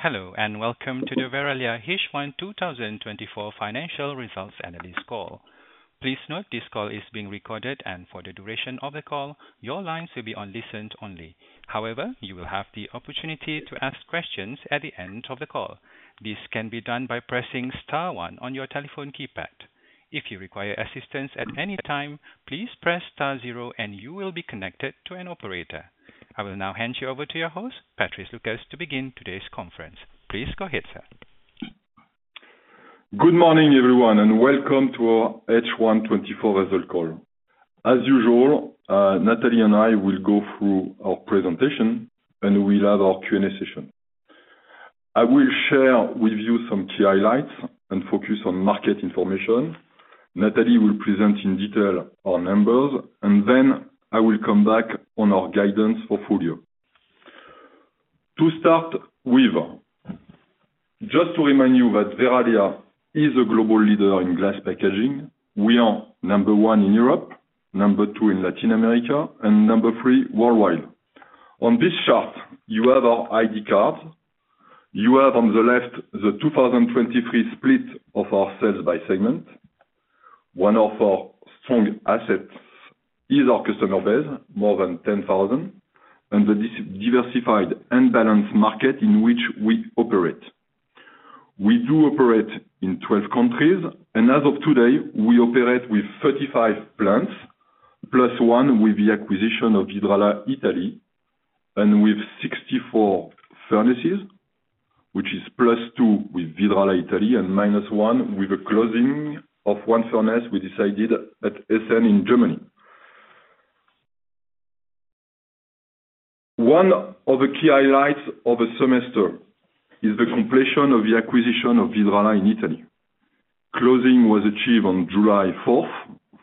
Hello and welcome to the Verallia H1 2024 Financial Results Analyst call. Please note this call is being recorded and for the duration of the call, your lines will be on listen only. However, you will have the opportunity to ask questions at the end of the call. This can be done by pressing star one on your telephone keypad. If you require assistance at any time, please press star zero and you will be connected to an operator. I will now hand you over to your host, Patrice Lucas, to begin today's conference. Please go ahead, sir. Good morning everyone and welcome to our H1 2024 result call. As usual, Nathalie and I will go through our presentation and we'll have our Q&A session. I will share with you some key highlights and focus on market information. Nathalie will present in detail our numbers and then I will come back on our guidance portfolio. To start with, just to remind you that Verallia is a global leader in glass packaging. We are number 1 in Europe, number 2 in Latin America, and number 3 worldwide. On this chart, you have our ID cards. You have on the left the 2023 split of our sales by segment. One of our strong assets is our customer base, more than 10,000, and the diversified and balanced market in which we operate. We do operate in 12 countries and as of today, we operate with 35 plants, plus one with the acquisition of Vidrala Italy and with 64 furnaces, which is plus two with Vidrala Italy and minus one with a closing of one furnace we decided at Essen in Germany. One of the key highlights of the semester is the completion of the acquisition of Vidrala in Italy. Closing was achieved on July 4th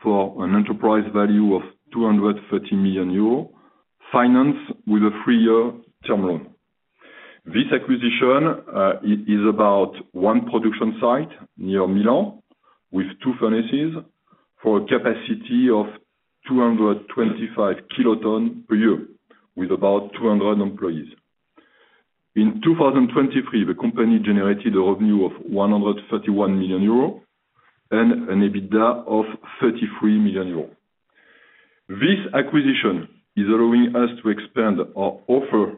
for an enterprise value of 230 million euros, financed with a three-year term loan. This acquisition is about one production site near Milan with two furnaces for a capacity of 225 kilotons per year with about 200 employees. In 2023, the company generated a revenue of 131 million euros and an EBITDA of 33 million euros. This acquisition is allowing us to expand our offer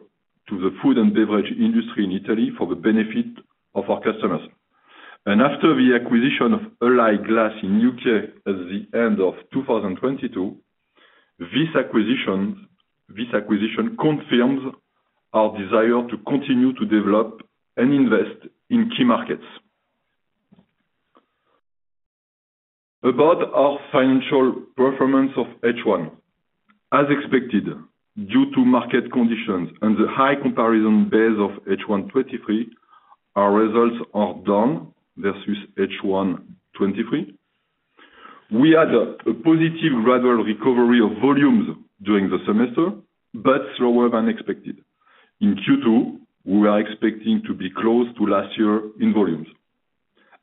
to the food and beverage industry in Italy for the benefit of our customers. After the acquisition of Allied Glass in the U.K. at the end of 2022, this acquisition confirms our desire to continue to develop and invest in key markets. About our financial performance of H1. As expected, due to market conditions and the high comparison base of H1 2023, our results are down versus H1 2023. We had a positive gradual recovery of volumes during the semester, but slower than expected. In Q2, we were expecting to be close to last year in volumes.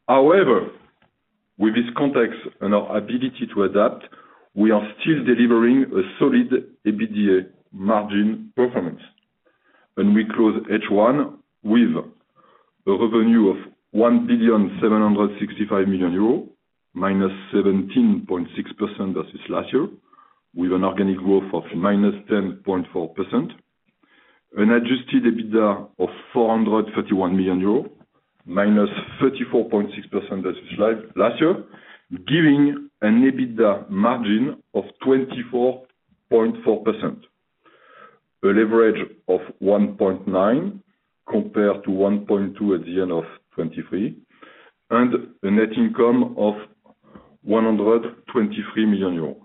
However, with this context and our ability to adapt, we are still delivering a solid EBITDA margin performance. We close H1 with a revenue of 1,765 million euros, -17.6% versus last year, with an organic growth of -10.4%, an Adjusted EBITDA of 431 million euros, -34.6% versus last year, giving an EBITDA margin of 24.4%, a leverage of 1.9 compared to 1.2 at the end of 2023, and a net income of 123 million euros.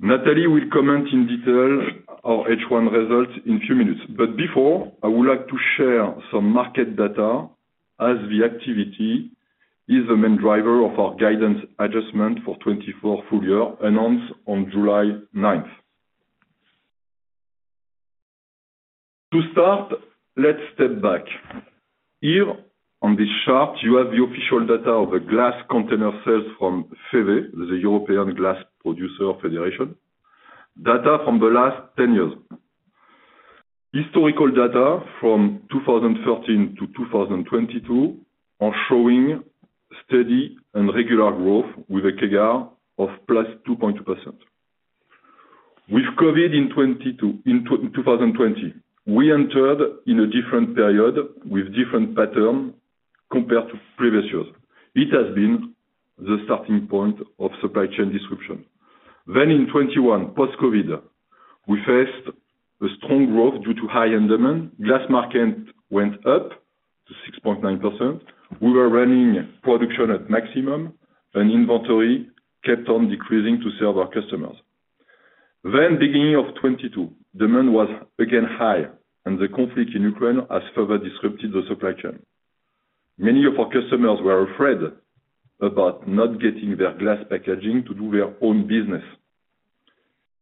Nathalie will comment in detail on our H1 results in a few minutes, but before, I would like to share some market data as the activity is the main driver of our guidance adjustment for 2024 full year announced on July 9th. To start, let's step back. Here, on this chart, you have the official data of the glass container sales from FEVE, the European Container Glass Federation, data from the last 10 years. Historical data from 2013 to 2022 are showing steady and regular growth with a CAGR of +2.2%. With COVID in 2020, we entered in a different period with different pattern compared to previous years. It has been the starting point of supply chain disruption. Then in 2021, post-COVID, we faced a strong growth due to high-end demand. Glass market went up to 6.9%. We were running production at maximum and inventory kept on decreasing to serve our customers. Then beginning of 2022, demand was again high and the conflict in Ukraine has further disrupted the supply chain. Many of our customers were afraid about not getting their glass packaging to do their own business,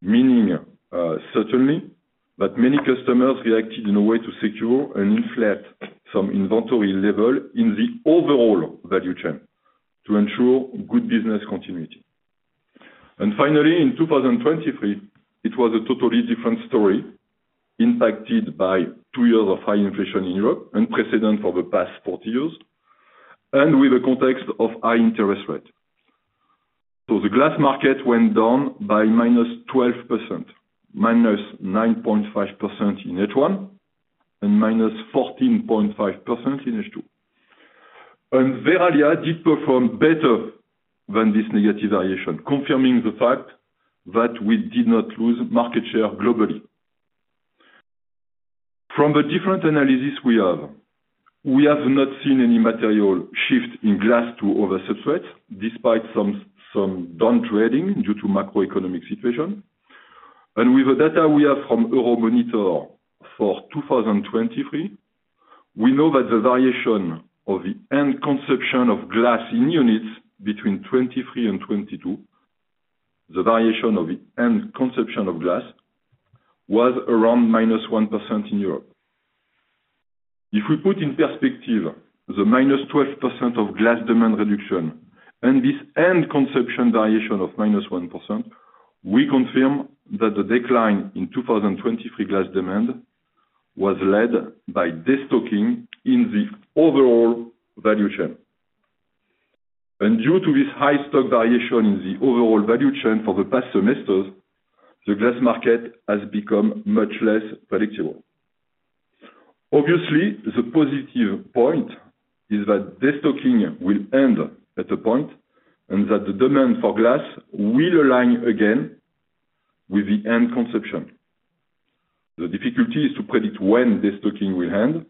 meaning certainly that many customers reacted in a way to secure and inflate some inventory level in the overall value chain to ensure good business continuity. And finally, in 2023, it was a totally different story impacted by two years of high inflation in Europe, unprecedented for the past 40 years, and with the context of high interest rates. So the glass market went down by -12%, -9.5% in H1, and -14.5% in H2. And Verallia did perform better than this negative variation, confirming the fact that we did not lose market share globally. From the different analysis we have, we have not seen any material shift in glass to other substrates despite some downtrading due to macroeconomic situation. And with the data we have from Euromonitor for 2023, we know that the variation of the end consumption of glass in units between 2023 and 2022, the variation of the end consumption of glass was around -1% in Europe. If we put in perspective the -12% of glass demand reduction and this end consumption variation of -1%, we confirm that the decline in 2023 glass demand was led by destocking in the overall value chain. Due to this high stock variation in the overall value chain for the past semesters, the glass market has become much less predictable. Obviously, the positive point is that destocking will end at a point and that the demand for glass will align again with the end consumption. The difficulty is to predict when destocking will end,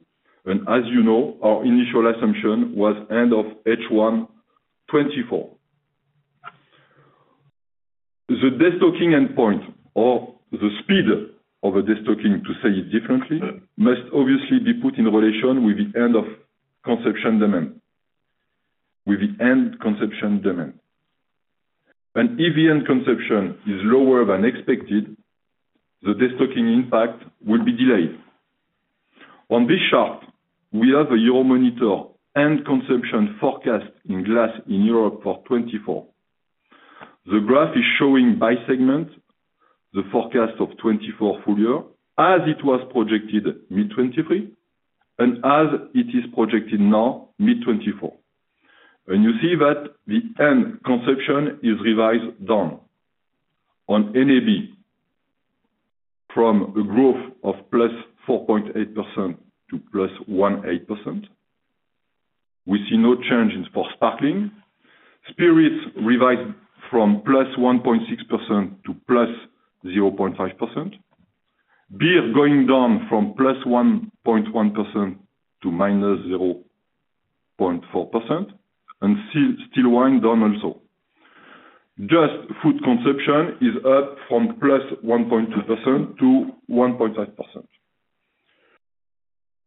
and as you know, our initial assumption was end of H1 2024. The destocking endpoint or the speed of a destocking, to say it differently, must obviously be put in relation with the end of consumption demand, with the end consumption demand. If the end consumption is lower than expected, the destocking impact will be delayed. On this chart, we have a Euromonitor end consumption forecast in glass in Europe for 2024. The graph is showing by segment the forecast of 2024 full year as it was projected mid 2023 and as it is projected now mid 2024. You see that the end consumption is revised down on NAB from a growth of +4.8% to +1.8%. We see no change in for sparkling. Spirits revised from +1.6% to +0.5%. Beer going down from +1.1% to -0.4% and still wine down also. Just food consumption is up from +1.2% to 1.5%.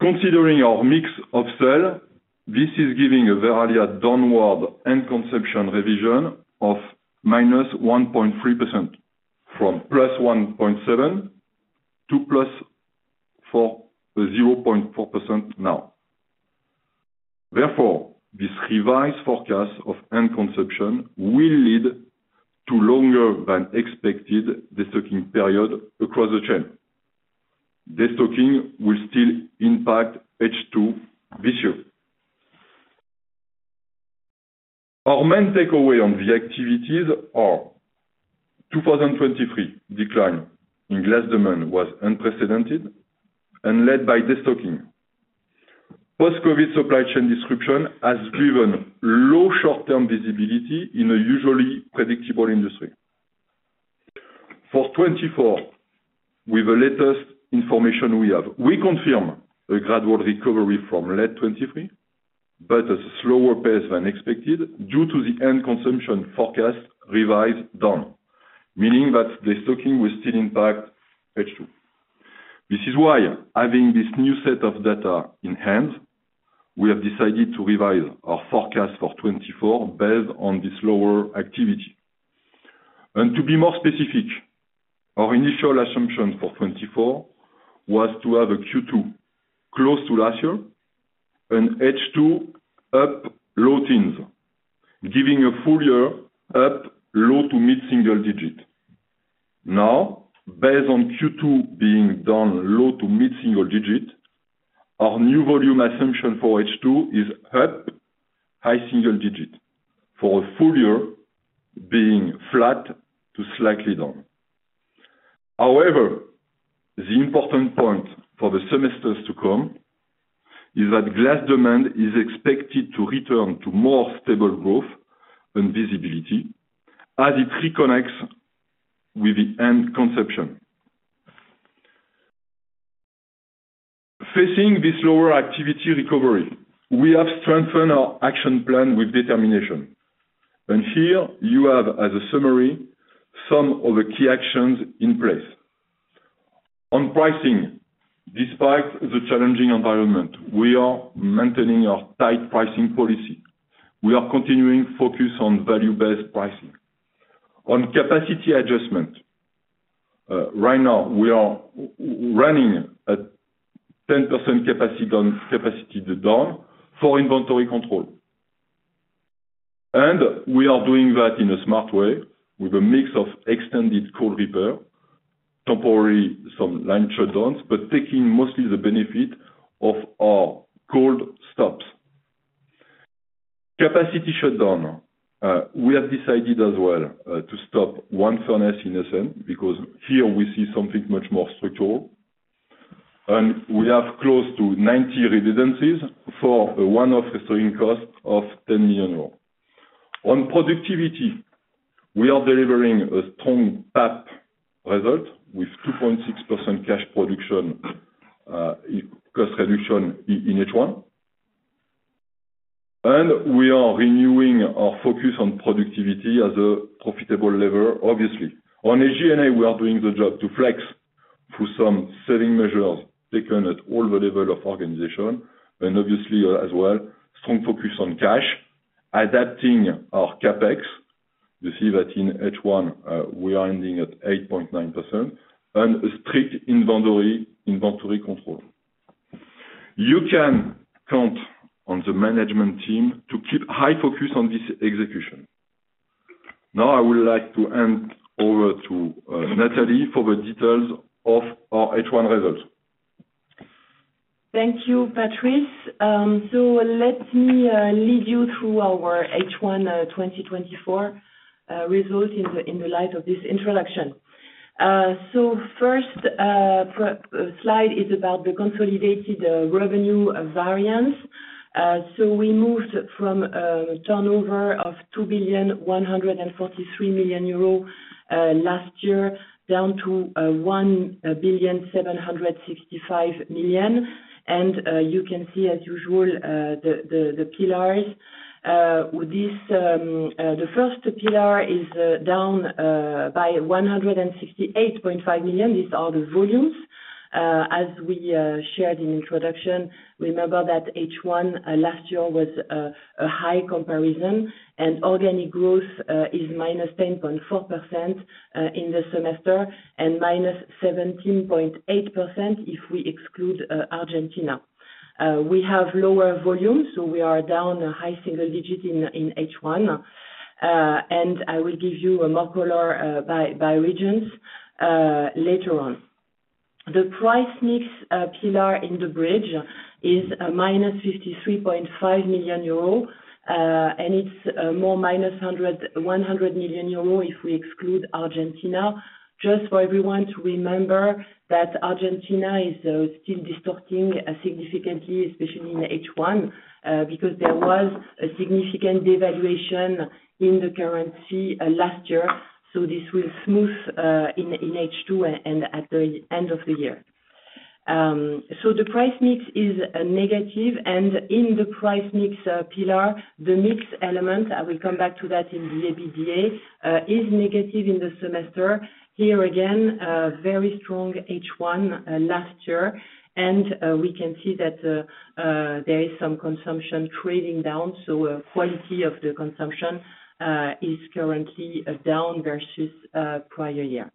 Considering our mix of sales, this is giving a Verallia downward end consumption revision of -1.3% from +1.7% to +0.4% now. Therefore, this revised forecast of end consumption will lead to longer than expected destocking period across the chain. Destocking will still impact H2 this year. Our main takeaway on the activities are 2023 decline in glass demand was unprecedented and led by destocking. Post-COVID supply chain disruption has given low short-term visibility in a usually predictable industry. For 2024, with the latest information we have, we confirm a gradual recovery from late 2023, but at a slower pace than expected due to the end consumption forecast revised down, meaning that destocking will still impact H2. This is why, having this new set of data in hand, we have decided to revise our forecast for 2024 based on this lower activity. To be more specific, our initial assumption for 2024 was to have a Q2 close to last year and H2 up low teens, giving a full year up low to mid single digit. Now, based on Q2 being down low to mid single digit, our new volume assumption for H2 is up high single digit for a full year being flat to slightly down. However, the important point for the semesters to come is that glass demand is expected to return to more stable growth and visibility as it reconnects with the end consumption. Facing this lower activity recovery, we have strengthened our action plan with determination. Here you have, as a summary, some of the key actions in place. On pricing, despite the challenging environment, we are maintaining our tight pricing policy. We are continuing focus on value-based pricing. On capacity adjustment, right now we are running a 10% capacity down for inventory control. We are doing that in a smart way with a mix of extended cold repair, temporary some line shutdowns, but taking mostly the benefit of our cold stops. On capacity shutdown, we have decided as well to stop one furnace in Essen because here we see something much more structural. We have close to 90 million for a one-off restoring cost of 10 million euros. On productivity, we are delivering a strong PAP result with 2.6% cash production cost reduction in H1. We are renewing our focus on productivity as a profitable lever, obviously. On SG&A, we are doing the job to flex through some selling measures taken at all levels of the organization. Obviously as well, strong focus on cash, adapting our CapEx. You see that in H1, we are ending at 8.9% and a strict inventory control. You can count on the management team to keep high focus on this execution. Now I would like to hand over to Nathalie for the details of our H1 result. Thank you, Patrice. So let me lead you through our H1 2024 result in the light of this introduction. So first slide is about the consolidated revenue variance. So we moved from a turnover of 2,143 million euro last year down to 1,765 million. And you can see, as usual, the pillars. The first pillar is down by 168.5 million. These are the volumes. As we shared in introduction, remember that H1 last year was a high comparison. And organic growth is -10.4% in the semester and -17.8% if we exclude Argentina. We have lower volumes, so we are down a high single digit in H1. I will give you more color by regions later on. The price mix pillar in the bridge is minus 53.5 million euro, and it's more minus 100 million euro if we exclude Argentina. Just for everyone to remember that Argentina is still distorting significantly, especially in H1, because there was a significant devaluation in the currency last year. So this will smooth in H2 and at the end of the year. The price mix is negative. In the price mix pillar, the mix element, I will come back to that in the EBITDA, is negative in the semester. Here again, very strong H1 last year. We can see that there is some consumption trading down. Quality of the consumption is currently down versus prior year.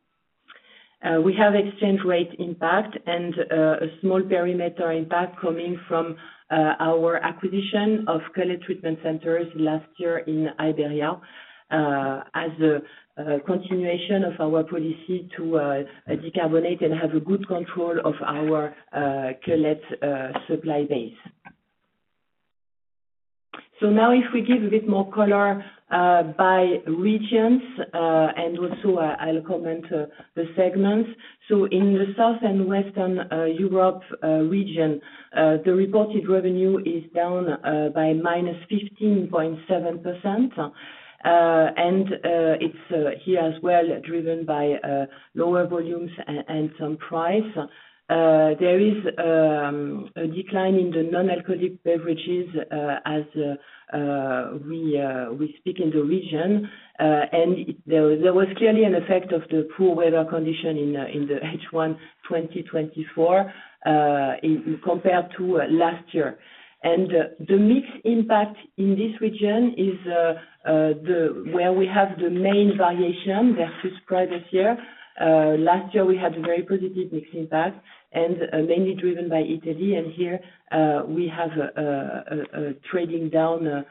We have exchange rate impact and a small perimeter impact coming from our acquisition of cullet treatment centers last year in Iberia as a continuation of our policy to decarbonate and have a good control of our cullet supply base. So now if we give a bit more color by regions and also I'll comment the segments. So in the South and Western Europe region, the reported revenue is down by -15.7%. And it's here as well driven by lower volumes and some price. There is a decline in the non-alcoholic beverages segment in the region. And there was clearly an effect of the poor weather condition in the H1 2024 compared to last year. And the mix impact in this region is where we have the main variation versus previous year. Last year, we had a very positive mix impact and mainly driven by Italy. Here we have a trading down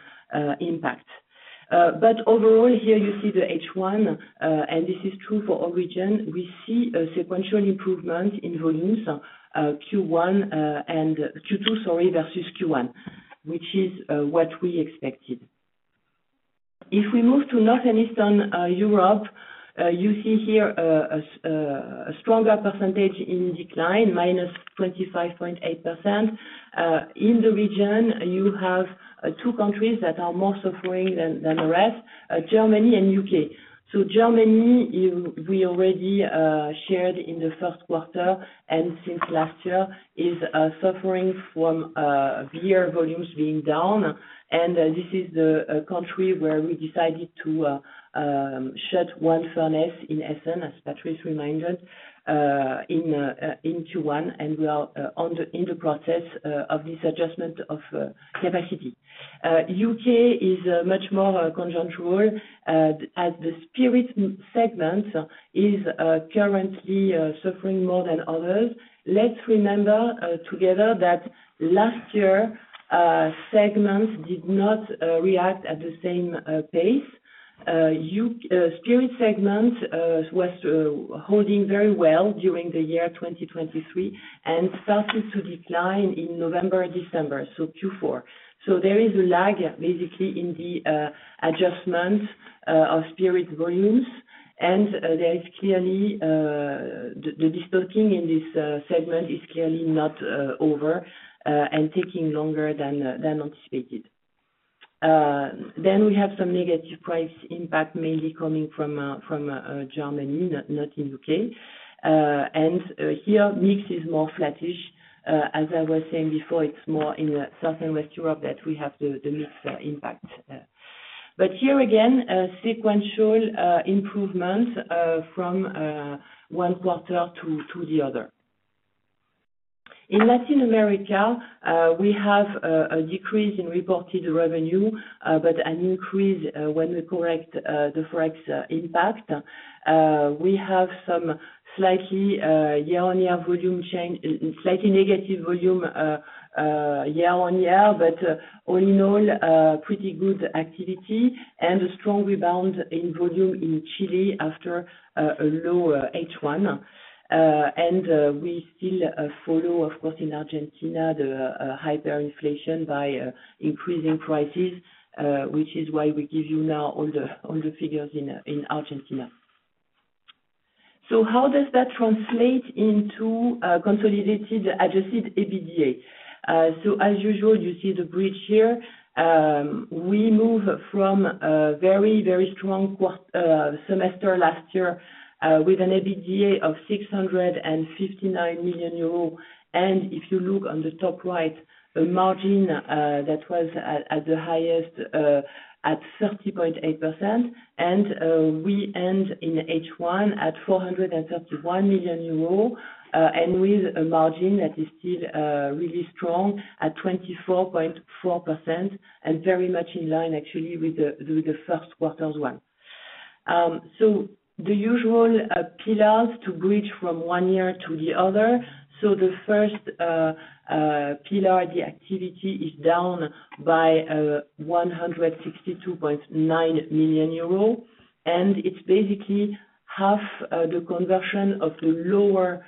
impact. Overall, here you see the H1, and this is true for all regions. We see a sequential improvement in volumes, Q1 and Q2, sorry, versus Q1, which is what we expected. If we move to North and Eastern Europe, you see here a stronger percentage in decline, -25.8%. In the region, you have two countries that are more suffering than the rest: Germany and U.K. Germany, we already shared in the Q1 and since last year, is suffering from beer volumes being down. And this is the country where we decided to shut one furnace in Essen, as Patrice reminded, in Q1. And we are in the process of this adjustment of capacity. U.K. is much more conjunctural as the spirit segment is currently suffering more than others. Let's remember together that last year, segments did not react at the same pace. Spirit segment was holding very well during the year 2023 and started to decline in November, December, so Q4. So there is a lag basically in the adjustment of spirit volumes. And there is clearly the destocking in this segment is clearly not over and taking longer than anticipated. Then we have some negative price impact mainly coming from Germany, not in U.K. And here, mix is more flattish. As I was saying before, it's more in South and West Europe that we have the mixed impact. But here again, sequential improvements from one quarter to the other. In Latin America, we have a decrease in reported revenue, but an increase when we correct the forex impact. We have some slightly year-on-year volume change, slightly negative volume year-on-year, but all in all, pretty good activity and a strong rebound in volume in Chile after a low H1. We still follow, of course, in Argentina, the hyperinflation by increasing prices, which is why we give you now all the figures in Argentina. How does that translate into consolidated Adjusted EBITDA? As usual, you see the bridge here. We move from a very, very strong semester last year with an EBITDA of 659 million euros. If you look on the top right, a margin that was at the highest at 30.8%. We end in H1 at 431 million euros and with a margin that is still really strong at 24.4% and very much in line, actually, with the first quarter's one. The usual pillars to bridge from one year to the other. So the first pillar, the activity is down by 162.9 million euros. And it's basically half the conversion of the lower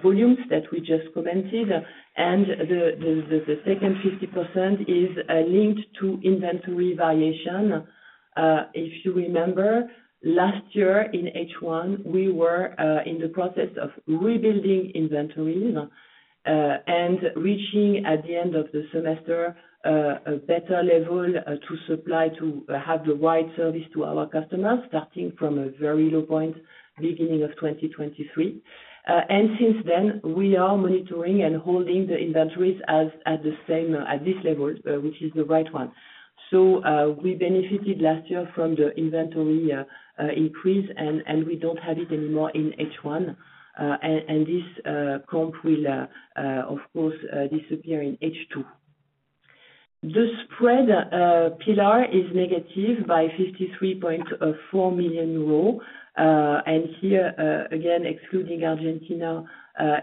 volumes that we just commented. And the second 50% is linked to inventory variation. If you remember, last year in H1, we were in the process of rebuilding inventories and reaching at the end of the semester a better level to supply to have the wide service to our customers starting from a very low point, beginning of 2023. And since then, we are monitoring and holding the inventories at this level, which is the right one. So we benefited last year from the inventory increase, and we don't have it anymore in H1. And this comp will, of course, disappear in H2. The spread pillar is negative by 53.4 million euro. And here, again, excluding Argentina,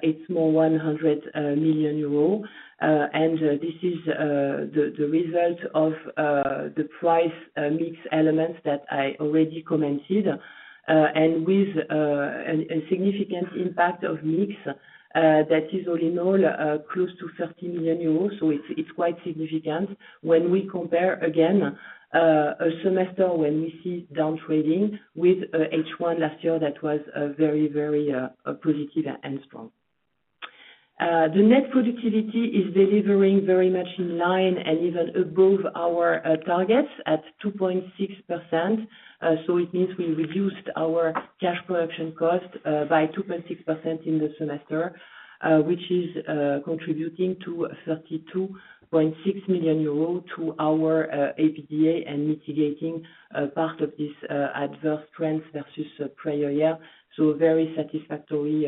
it's more 100 million euro. This is the result of the price mix elements that I already commented. And with a significant impact of mix that is all in all close to 30 million euros. So it's quite significant when we compare again a semester when we see down trading with H1 last year that was very, very positive and strong. The net productivity is delivering very much in line and even above our targets at 2.6%. So it means we reduced our cash production cost by 2.6% in the semester, which is contributing to 32.6 million euros to our EBITDA and mitigating part of this adverse trend versus prior year. So very satisfactory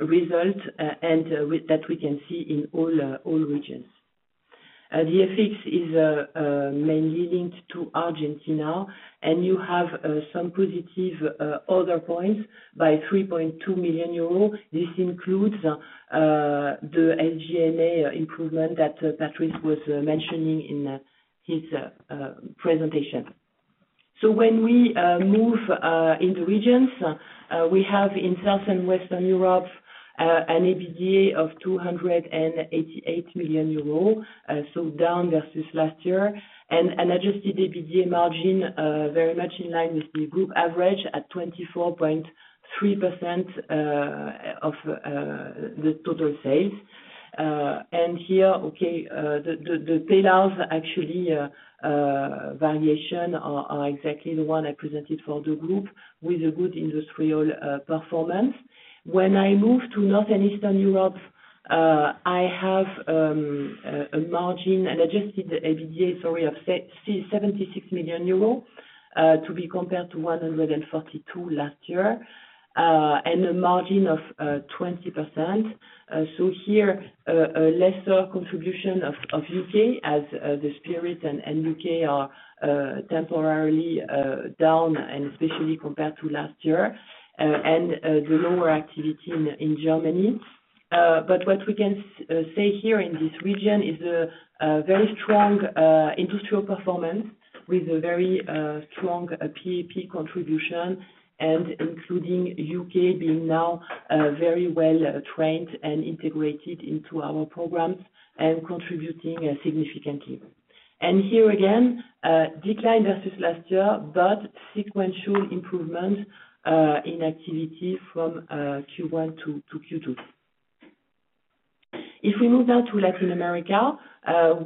result that we can see in all regions. The FX is mainly linked to Argentina. And you have some positive other points by 3.2 million euros. This includes the SG&A improvement that Patrice was mentioning in his presentation. So when we move in the regions, we have in South and Western Europe an EBITDA of 288 million euros, so down versus last year. And an Adjusted EBITDA margin very much in line with the group average at 24.3% of the total sales. And here, okay, the pillars actually variation are exactly the one I presented for the group with a good industrial performance. When I move to North and Eastern Europe, I have a margin, an Adjusted EBITDA, sorry, of 76 million euro to be compared to 142 million last year and a margin of 20%. So here, a lesser contribution of U.K. as the spirits in the U.K. are temporarily down and especially compared to last year and the lower activity in Germany. But what we can say here in this region is a very strong industrial performance with a very strong PAP contribution and including U.K. being now very well trained and integrated into our programs and contributing significantly. And here again, decline versus last year, but sequential improvement in activity from Q1 to Q2. If we move now to Latin America,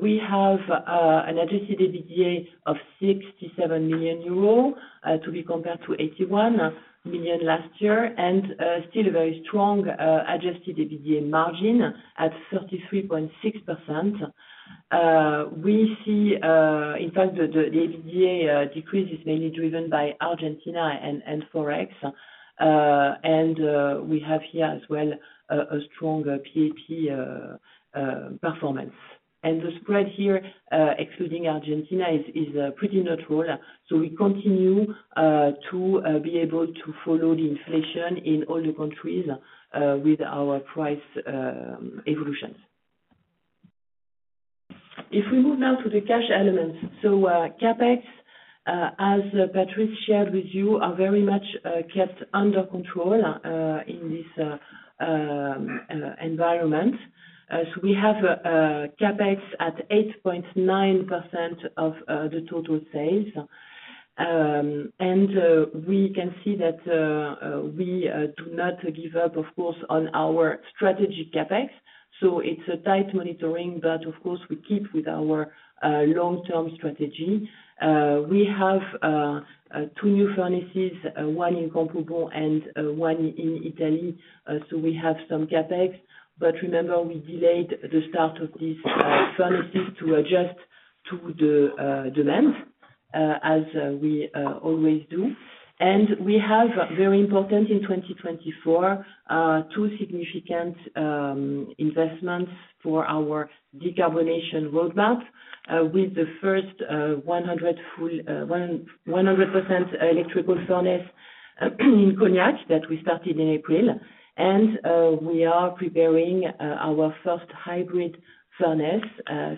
we have an Adjusted EBITDA of 67 million euro to be compared to 81 million last year and still a very strong Adjusted EBITDA margin at 33.6%. We see, in fact, the EBITDA decrease is mainly driven by Argentina and Forex. And we have here as well a strong PAP performance. And the spread here, excluding Argentina, is pretty neutral. So we continue to be able to follow the inflation in all the countries with our price evolutions. If we move now to the cash elements, so CapEx, as Patrice shared with you, are very much kept under control in this environment. So we have CapEx at 8.9% of the total sales. And we can see that we do not give up, of course, on our strategic CapEx. So it's a tight monitoring, but of course, we keep with our long-term strategy. We have two new furnaces, one in Campo Bom and one in Italy. So we have some CapEx. But remember, we delayed the start of these furnaces to adjust to the demand as we always do. And we have very important in 2024, two significant investments for our decarbonization roadmap with the first 100% electric furnace in Cognac that we started in April. And we are preparing our first hybrid furnace,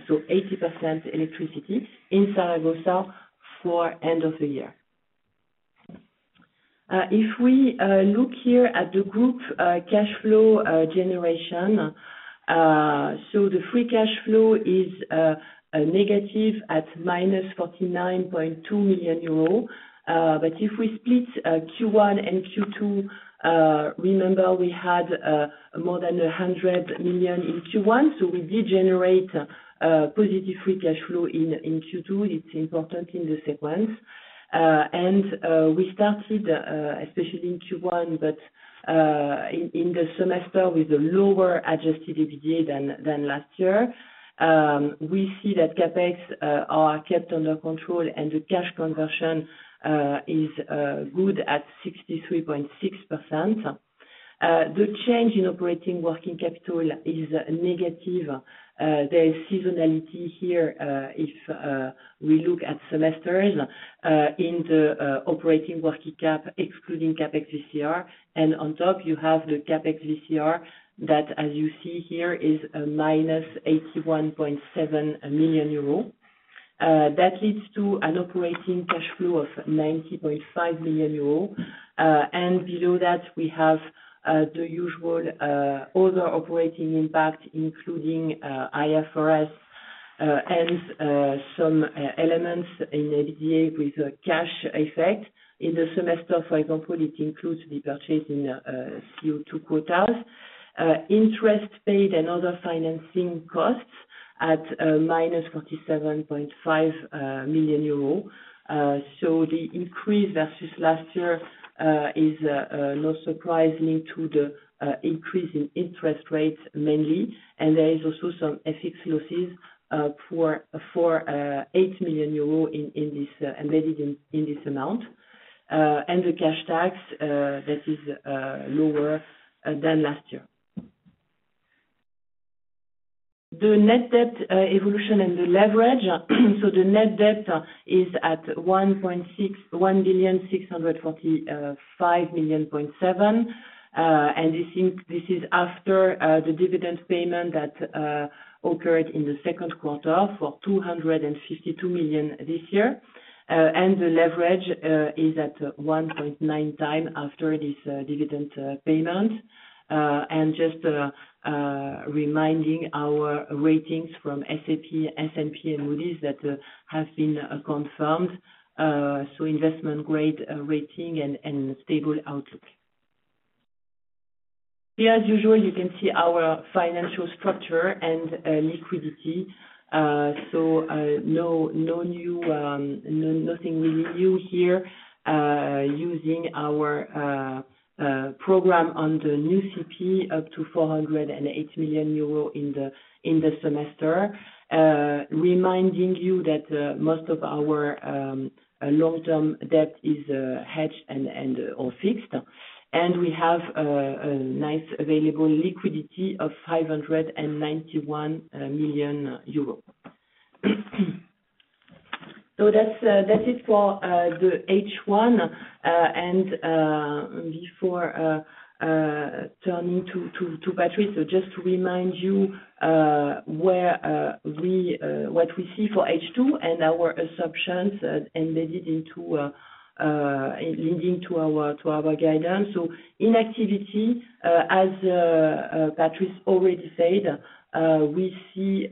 so 80% electricity in Zaragoza for the end of the year. If we look here at the group cash flow generation, so the free cash flow is negative at -49.2 million euros. But if we split Q1 and Q2, remember, we had more than 100 million in Q1. So we did generate positive free cash flow in Q2. It's important in the sequence. And we started, especially in Q1, but in the semester with a lower Adjusted EBITDA than last year. We see that CapEx are kept under control and the cash conversion is good at 63.6%. The change in operating working capital is negative. There is seasonality here if we look at semesters in the operating working cap, excluding CapEx WCR. And on top, you have the CapEx WCR that, as you see here, is -81.7 million euro. That leads to an operating cash flow of 90.5 million euro. And below that, we have the usual other operating impact, including IFRS and some elements in EBITDA with cash effect. In the semester, for example, it includes the purchase in CO2 quotas, interest paid, and other financing costs at -47.5 million euro. So the increase versus last year is no surprise linked to the increase in interest rates mainly. And there is also some FX losses for 8 million euro embedded in this amount. And the cash tax that is lower than last year. The net debt evolution and the leverage, so the net debt is at 1,645.7 million. And this is after the dividend payment that occurred in the Q2 for 252 million this year. And the leverage is at 1.9 times after this dividend payment. And just reminding our ratings from S&P and Moody's that have been confirmed. So investment-grade rating and stable outlook. Here, as usual, you can see our financial structure and liquidity. So, no new, nothing really new here using our program on the NEU CP up to 408 million euro in the semester. Reminding you that most of our long-term debt is hedged and/or fixed. And we have a nice available liquidity of 591 million euros. So that's it for the H1. And before turning to Patrice, just to remind you what we see for H2 and our assumptions embedded into leading to our guidance. So in activity, as Patrice already said, we see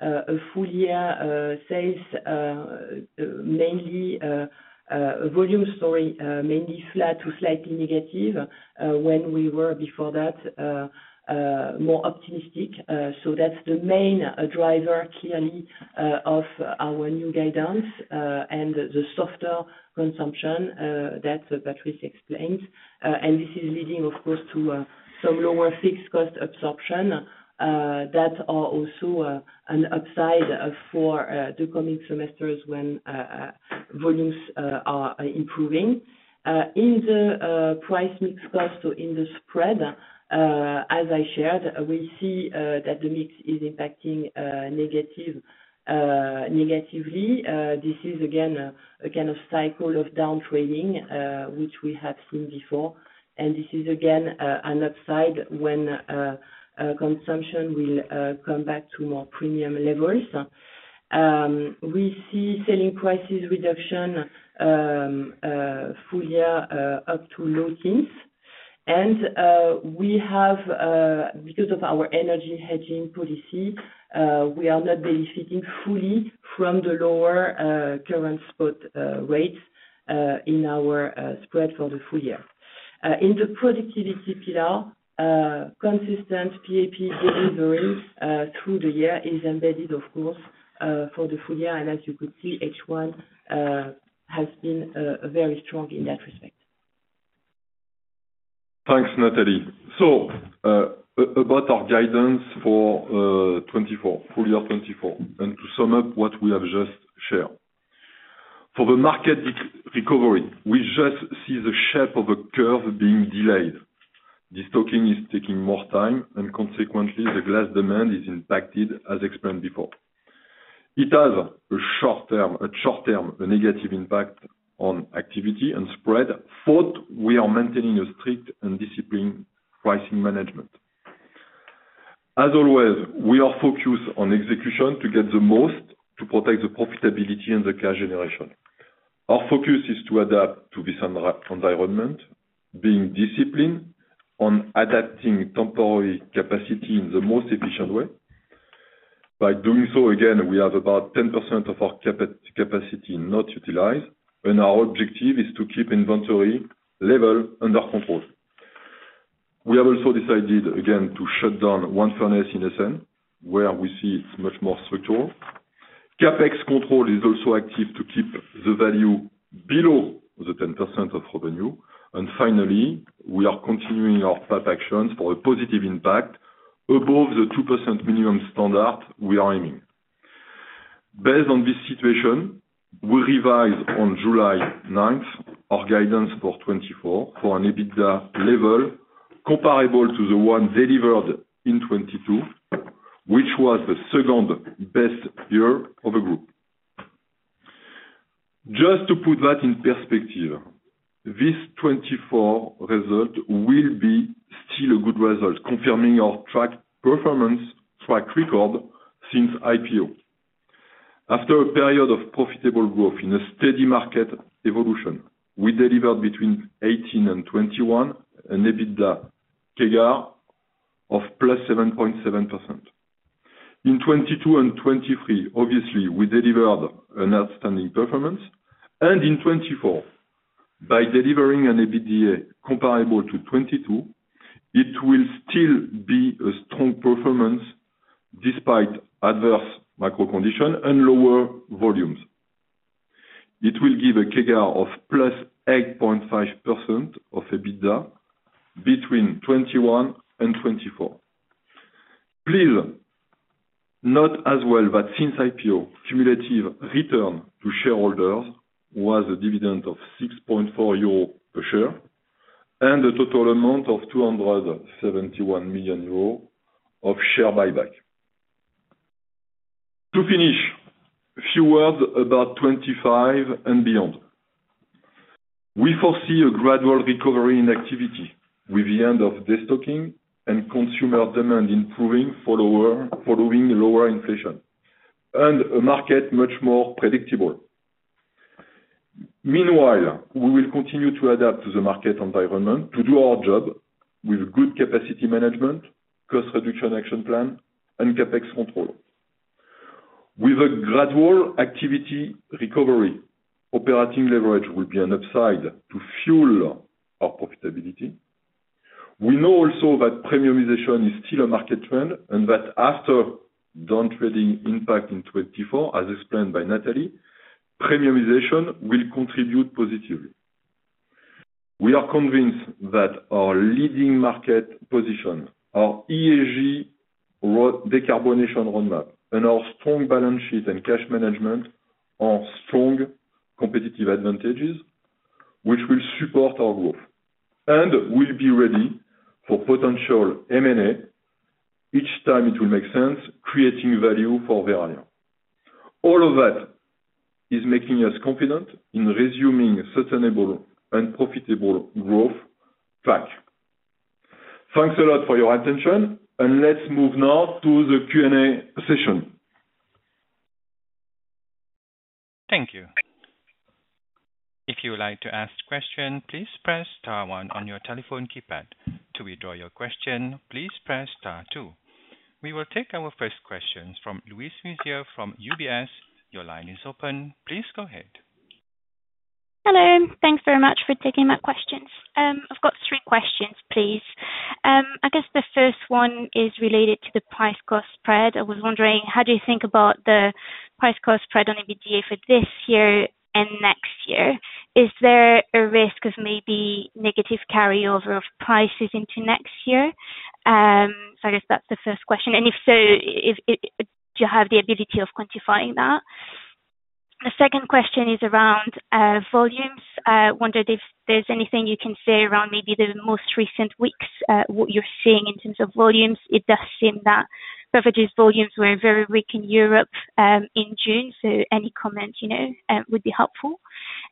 a full year sales mainly volume story, mainly flat to slightly negative when we were before that more optimistic. So that's the main driver clearly of our new guidance and the softer consumption that Patrice explained. This is leading, of course, to some lower fixed cost absorption that are also an upside for the coming semesters when volumes are improving. In the price mix cost, so in the spread, as I shared, we see that the mix is impacting negatively. This is, again, a kind of cycle of down trading, which we have seen before. This is, again, an upside when consumption will come back to more premium levels. We see selling prices reduction full year up to low teens. We have, because of our energy hedging policy, we are not benefiting fully from the lower current spot rates in our spread for the full year. In the productivity pillar, consistent PAP delivery through the year is embedded, of course, for the full year. As you could see, H1 has been very strong in that respect. Thanks, Nathalie. So about our guidance for full year 2024 and to sum up what we have just shared. For the market recovery, we just see the shape of a curve being delayed. Destocking is taking more time, and consequently, the glass demand is impacted, as explained before. It has a short-term negative impact on activity and spread, though we are maintaining a strict and disciplined pricing management. As always, we are focused on execution to get the most to protect the profitability and the cash generation. Our focus is to adapt to this environment, being disciplined on adapting temporary capacity in the most efficient way. By doing so, again, we have about 10% of our capacity not utilized, and our objective is to keep inventory level under control. We have also decided, again, to shut down one furnace in Essen, where we see it's much more structural. CapEx control is also active to keep the value below the 10% of revenue. And finally, we are continuing our PAP actions for a positive impact above the 2% minimum standard we are aiming. Based on this situation, we revise on July 9th our guidance for 2024 for an EBITDA level comparable to the one delivered in 2022, which was the second best year of the group. Just to put that in perspective, this 2024 result will be still a good result, confirming our tracked performance track record since IPO. After a period of profitable growth in a steady market evolution, we delivered between 2018 and 2021 an EBITDA CAGR of +7.7%. In 2022 and 2023, obviously, we delivered an outstanding performance. And in 2024, by delivering an EBITDA comparable to 2022, it will still be a strong performance despite adverse macro conditions and lower volumes. It will give a CAGR of +8.5% of EBITDA between 2021 and 2024. Please note as well that since IPO, cumulative return to shareholders was a dividend of 6.4 euro per share and a total amount of 271 million euro of share buyback. To finish, a few words about 2025 and beyond. We foresee a gradual recovery in activity with the end of destocking and consumer demand improving following lower inflation and a market much more predictable. Meanwhile, we will continue to adapt to the market environment to do our job with good capacity management, cost reduction action plan, and CapEx control. With a gradual activity recovery, operating leverage will be an upside to fuel our profitability. We know also that premiumization is still a market trend and that after down trading impact in 2024, as explained by Nathalie, premiumization will contribute positively. We are convinced that our leading market position, our ESG decarbonization roadmap, and our strong balance sheet and cash management are strong competitive advantages, which will support our growth and will be ready for potential M&A each time it will make sense, creating value for Verallia. All of that is making us confident in resuming sustainable and profitable growth track. Thanks a lot for your attention, and let's move now to the Q&A session. Thank you. If you would like to ask a question, please press star one on your telephone keypad. To withdraw your question, please press star two. We will take our first questions from Louise Wiseur from UBS. Your line is open. Please go ahead. Hello. Thanks very much for taking my questions. I've got three questions, please. I guess the first one is related to the price-cost spread. I was wondering, how do you think about the price-cost spread on EBITDA for this year and next year? Is there a risk of maybe negative carryover of prices into next year? So I guess that's the first question. And if so, do you have the ability of quantifying that? The second question is around volumes. I wondered if there's anything you can say around maybe the most recent weeks, what you're seeing in terms of volumes. It does seem that Beverage's volumes were very weak in Europe in June, so any comment would be helpful.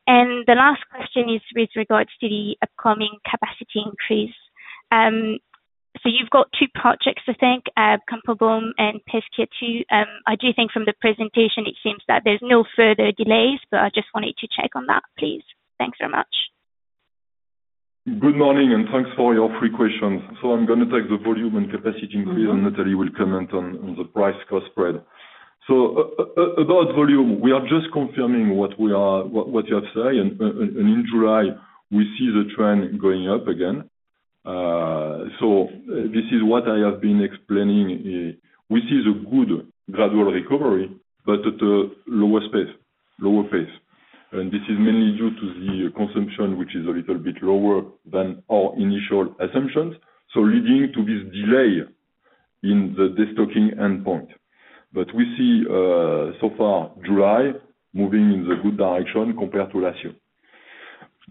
And the last question is with regards to the upcoming capacity increase. So you've got two projects, I think, Campo Bom and Pescia II. I do think from the presentation, it seems that there's no further delays, but I just wanted to check on that, please. Thanks very much. Good morning, and thanks for your three questions. So I'm going to take the volume and capacity increase, and Nathalie will comment on the price-cost spread. So about volume, we are just confirming what you have said. And in July, we see the trend going up again. So this is what I have been explaining. We see a good gradual recovery, but at a lower pace. And this is mainly due to the consumption, which is a little bit lower than our initial assumptions, so leading to this delay in the destocking endpoint. But we see so far July moving in the good direction compared to last year.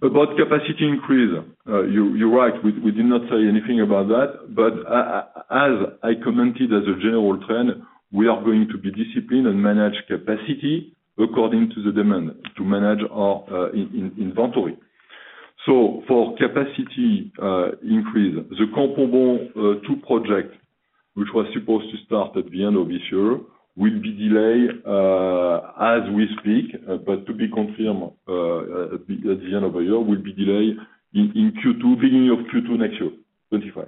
About capacity increase, you're right. We did not say anything about that. But as I commented as a general trend, we are going to be disciplined and manage capacity according to the demand to manage our inventory. So for capacity increase, the Campo Bom II project, which was supposed to start at the end of this year, will be delayed as we speak, but to be confirmed at the end of the year, will be delayed in Q2, beginning of Q2 next year, 2025.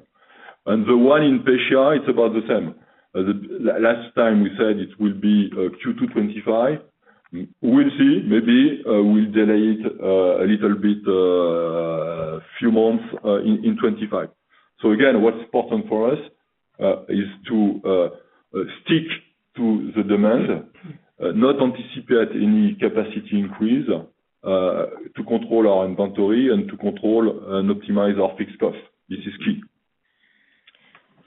And the one in Pescia, it's about the same. Last time we said it will be Q2 2025. We'll see. Maybe we'll delay it a little bit, a few months in 2025. So again, what's important for us is to stick to the demand, not anticipate any capacity increase to control our inventory and to control and optimize our fixed cost. This is key.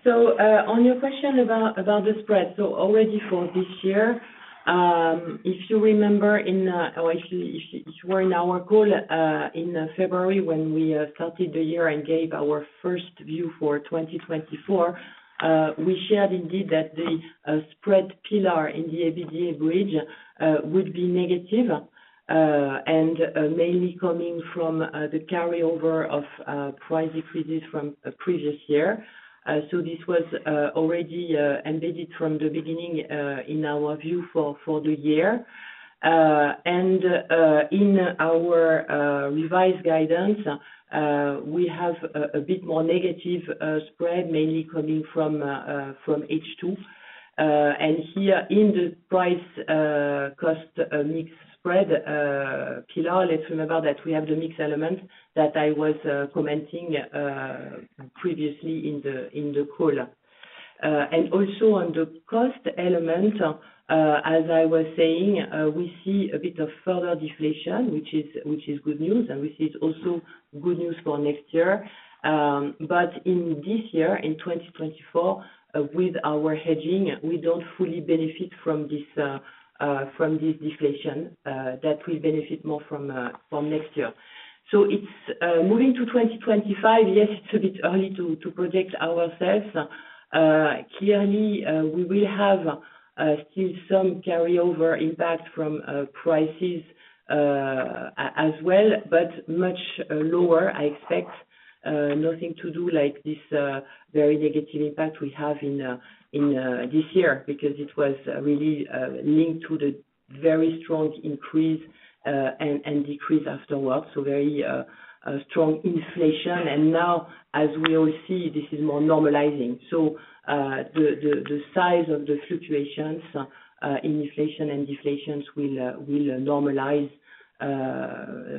So on your question about the spread, so already for this year, if you remember, or if you were in our call in February when we started the year and gave our first view for 2024, we shared indeed that the spread pillar in the EBITDA bridge would be negative and mainly coming from the carryover of price decreases from previous year. So this was already embedded from the beginning in our view for the year. In our revised guidance, we have a bit more negative spread, mainly coming from H2. Here in the price-cost mix spread pillar, let's remember that we have the mixed element that I was commenting previously in the call. Also on the cost element, as I was saying, we see a bit of further deflation, which is good news, and we see it's also good news for next year. But in this year, in 2024, with our hedging, we don't fully benefit from this deflation. That will benefit more from next year. So moving to 2025, yes, it's a bit early to predict ourselves. Clearly, we will have still some carryover impact from prices as well, but much lower, I expect. Nothing to do like this very negative impact we have in this year because it was really linked to the very strong increase and decrease afterwards. So very strong inflation. And now, as we all see, this is more normalizing. So the size of the fluctuations in inflation and deflations will normalize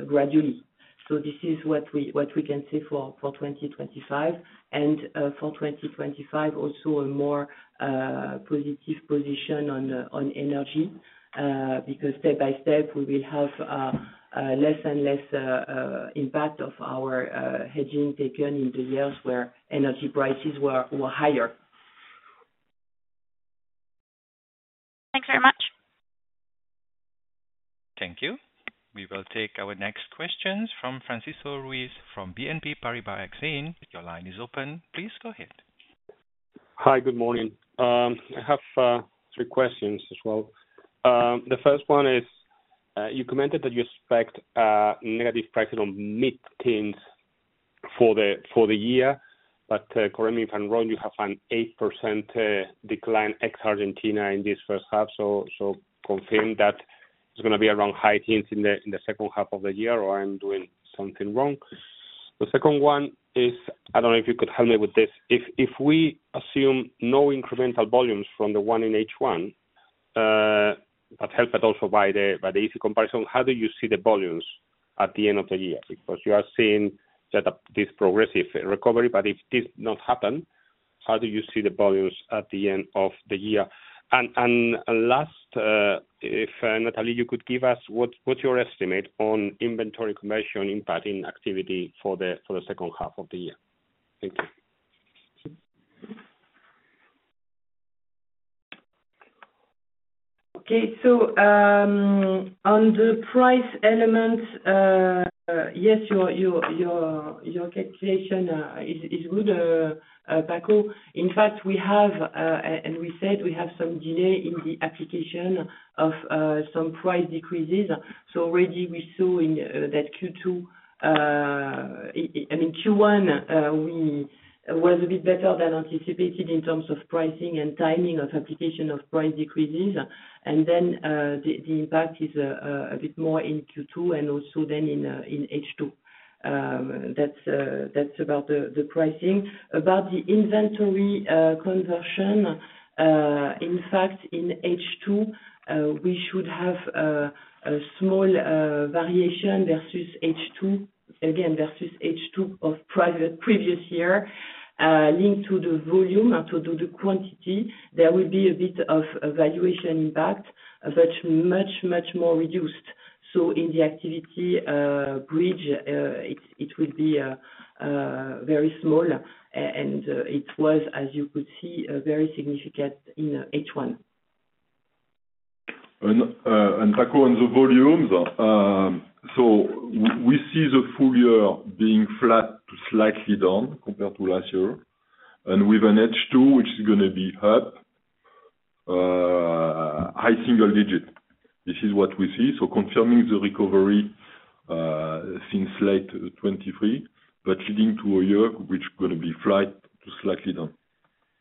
gradually. So this is what we can see for 2025. And for 2025, also a more positive position on energy because step by step, we will have less and less impact of our hedging taken in the years where energy prices were higher. Thanks very much. Thank you. We will take our next questions from Francisco Ruiz from BNP Paribas Exane. Your line is open. Please go ahead. Hi, good morning. I have three questions as well. The first one is you commented that you expect negative prices on mid-teens for the year, but correct me if I'm wrong, you have an 8% decline ex-Argentina in this first half. So confirm that it's going to be around high teens in the second half of the year, or I'm doing something wrong. The second one is, I don't know if you could help me with this. If we assume no incremental volumes from the one in H1, but helped also by the easy comparison, how do you see the volumes at the end of the year? Because you are seeing this progressive recovery, but if this does not happen, how do you see the volumes at the end of the year? And last, if Nathalie, you could give us what's your estimate on inventory conversion impacting activity for the second half of the year? Thank you. Okay. So on the price element, yes, your calculation is good, Paco. In fact, we have, and we said we have some delay in the application of some price decreases. So already we saw that Q2, I mean, Q1, we was a bit better than anticipated in terms of pricing and timing of application of price decreases. And then the impact is a bit more in Q2 and also then in H2. That's about the pricing. About the inventory conversion, in fact, in H2, we should have a small variation versus H2, again, versus H2 of prior previous year, linked to the volume and to the quantity. There will be a bit of valuation impact, but much, much more reduced. So in the activity bridge, it will be very small, and it was, as you could see, very significant in H1. And Paco, on the volumes, so we see the full year being flat to slightly down compared to last year. And we have an H2, which is going to be up, high single-digit. This is what we see. So confirming the recovery since late 2023, but leading to a year which is going to be flat to slightly down.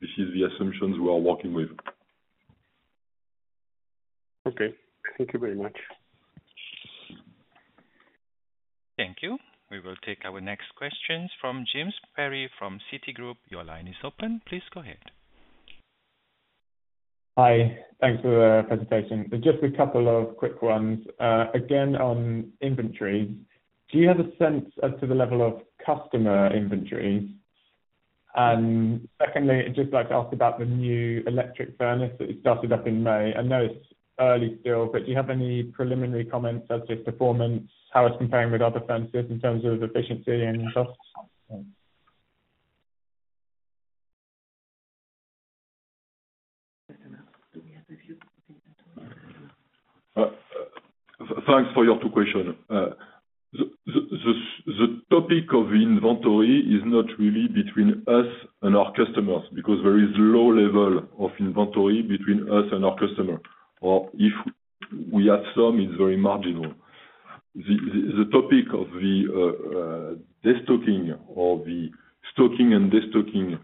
This is the assumptions we are working with. Okay. Thank you very much. Thank you. We will take our next questions from James Perry from Citigroup. Your line is open. Please go ahead. Hi. Thanks for the presentation. Just a couple of quick ones. Again, on inventories, do you have a sense as to the level of customer inventories? And secondly, I'd just like to ask about the new electric furnace that you started up in May. I know it's early still, but do you have any preliminary comments as to its performance, how it's comparing with other furnaces in terms of efficiency and cost? Thanks for your two questions. The topic of inventory is not really between us and our customers because there is low level of inventory between us and our customer. Or if we have some, it's very marginal. The topic of the destocking or the stocking and destocking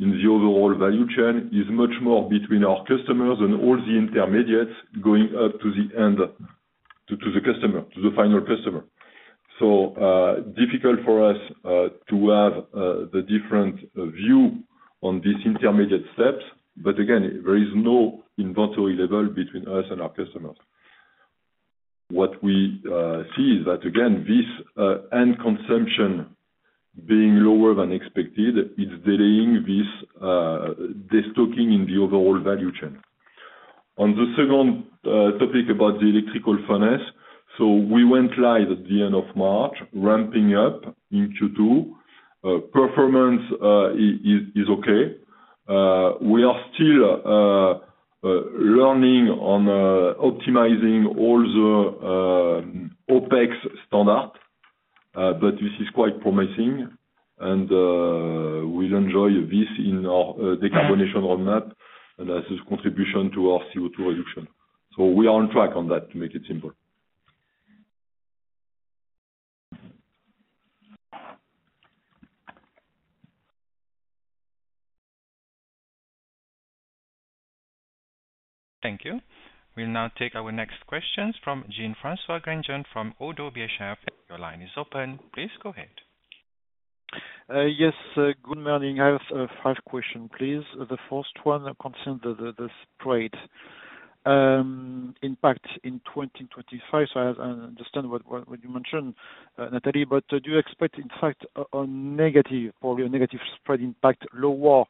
in the overall value chain is much more between our customers and all the intermediates going up to the end, to the customer, to the final customer. So difficult for us to have the different view on these intermediate steps. But again, there is no inventory level between us and our customers. What we see is that, again, this end consumption being lower than expected, it's delaying this destocking in the overall value chain. On the second topic about the electrical furnace, so we went live at the end of March, ramping up in Q2. Performance is okay. We are still learning on optimizing all the OPEX standard, but this is quite promising. And we'll enjoy this in our decarbonization roadmap and as a contribution to our CO2 reduction. So we are on track on that, to make it simple. Thank you. We'll now take our next questions from Jean-François Granjon from ODDO BHF. Your line is open. Please go ahead. Yes. Good morning. I have five questions, please. The first one concerns the spread impact in 2025. So I understand what you mentioned, Nathalie, but do you expect, in fact, a negative, probably a negative spread impact, lower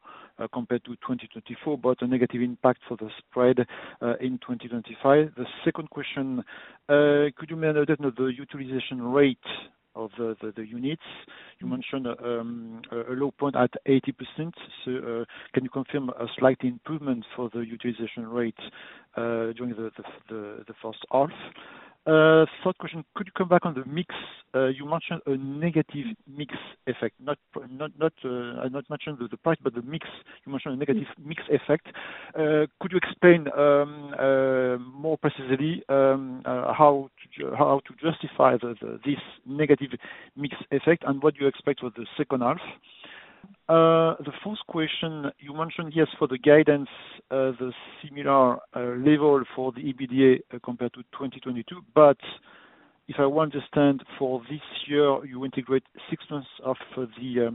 compared to 2024, but a negative impact for the spread in 2025? The second question, could you measure the utilization rate of the units? You mentioned a low point at 80%. So can you confirm a slight improvement for the utilization rate during the first half? Third question, could you come back on the mix? You mentioned a negative mix effect. I not mentioned the price, but the mix. You mentioned a negative mix effect. Could you explain more precisely how to justify this negative mix effect and what you expect for the second half? The fourth question, you mentioned, yes, for the guidance, the similar level for the EBITDA compared to 2022. But if I understand, for this year, you integrate six months of the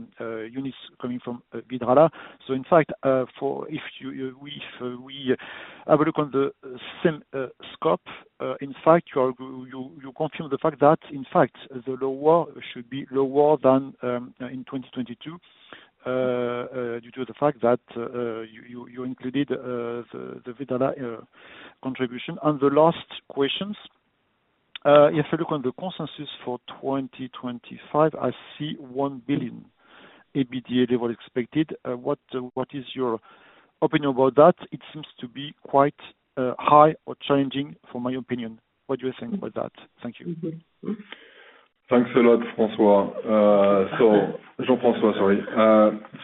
units coming from Vidrala. So in fact, if we have a look on the same scope, in fact, you confirm the fact that, in fact, the EBITDA should be lower than in 2022 due to the fact that you included the Vidrala contribution. And the last questions, if I look on the consensus for 2025, I see 1 billion EBITDA level expected. What is your opinion about that? It seems to be quite high or challenging, for my opinion. What do you think about that? Thank you. Thanks a lot, François. So Jean-François, sorry.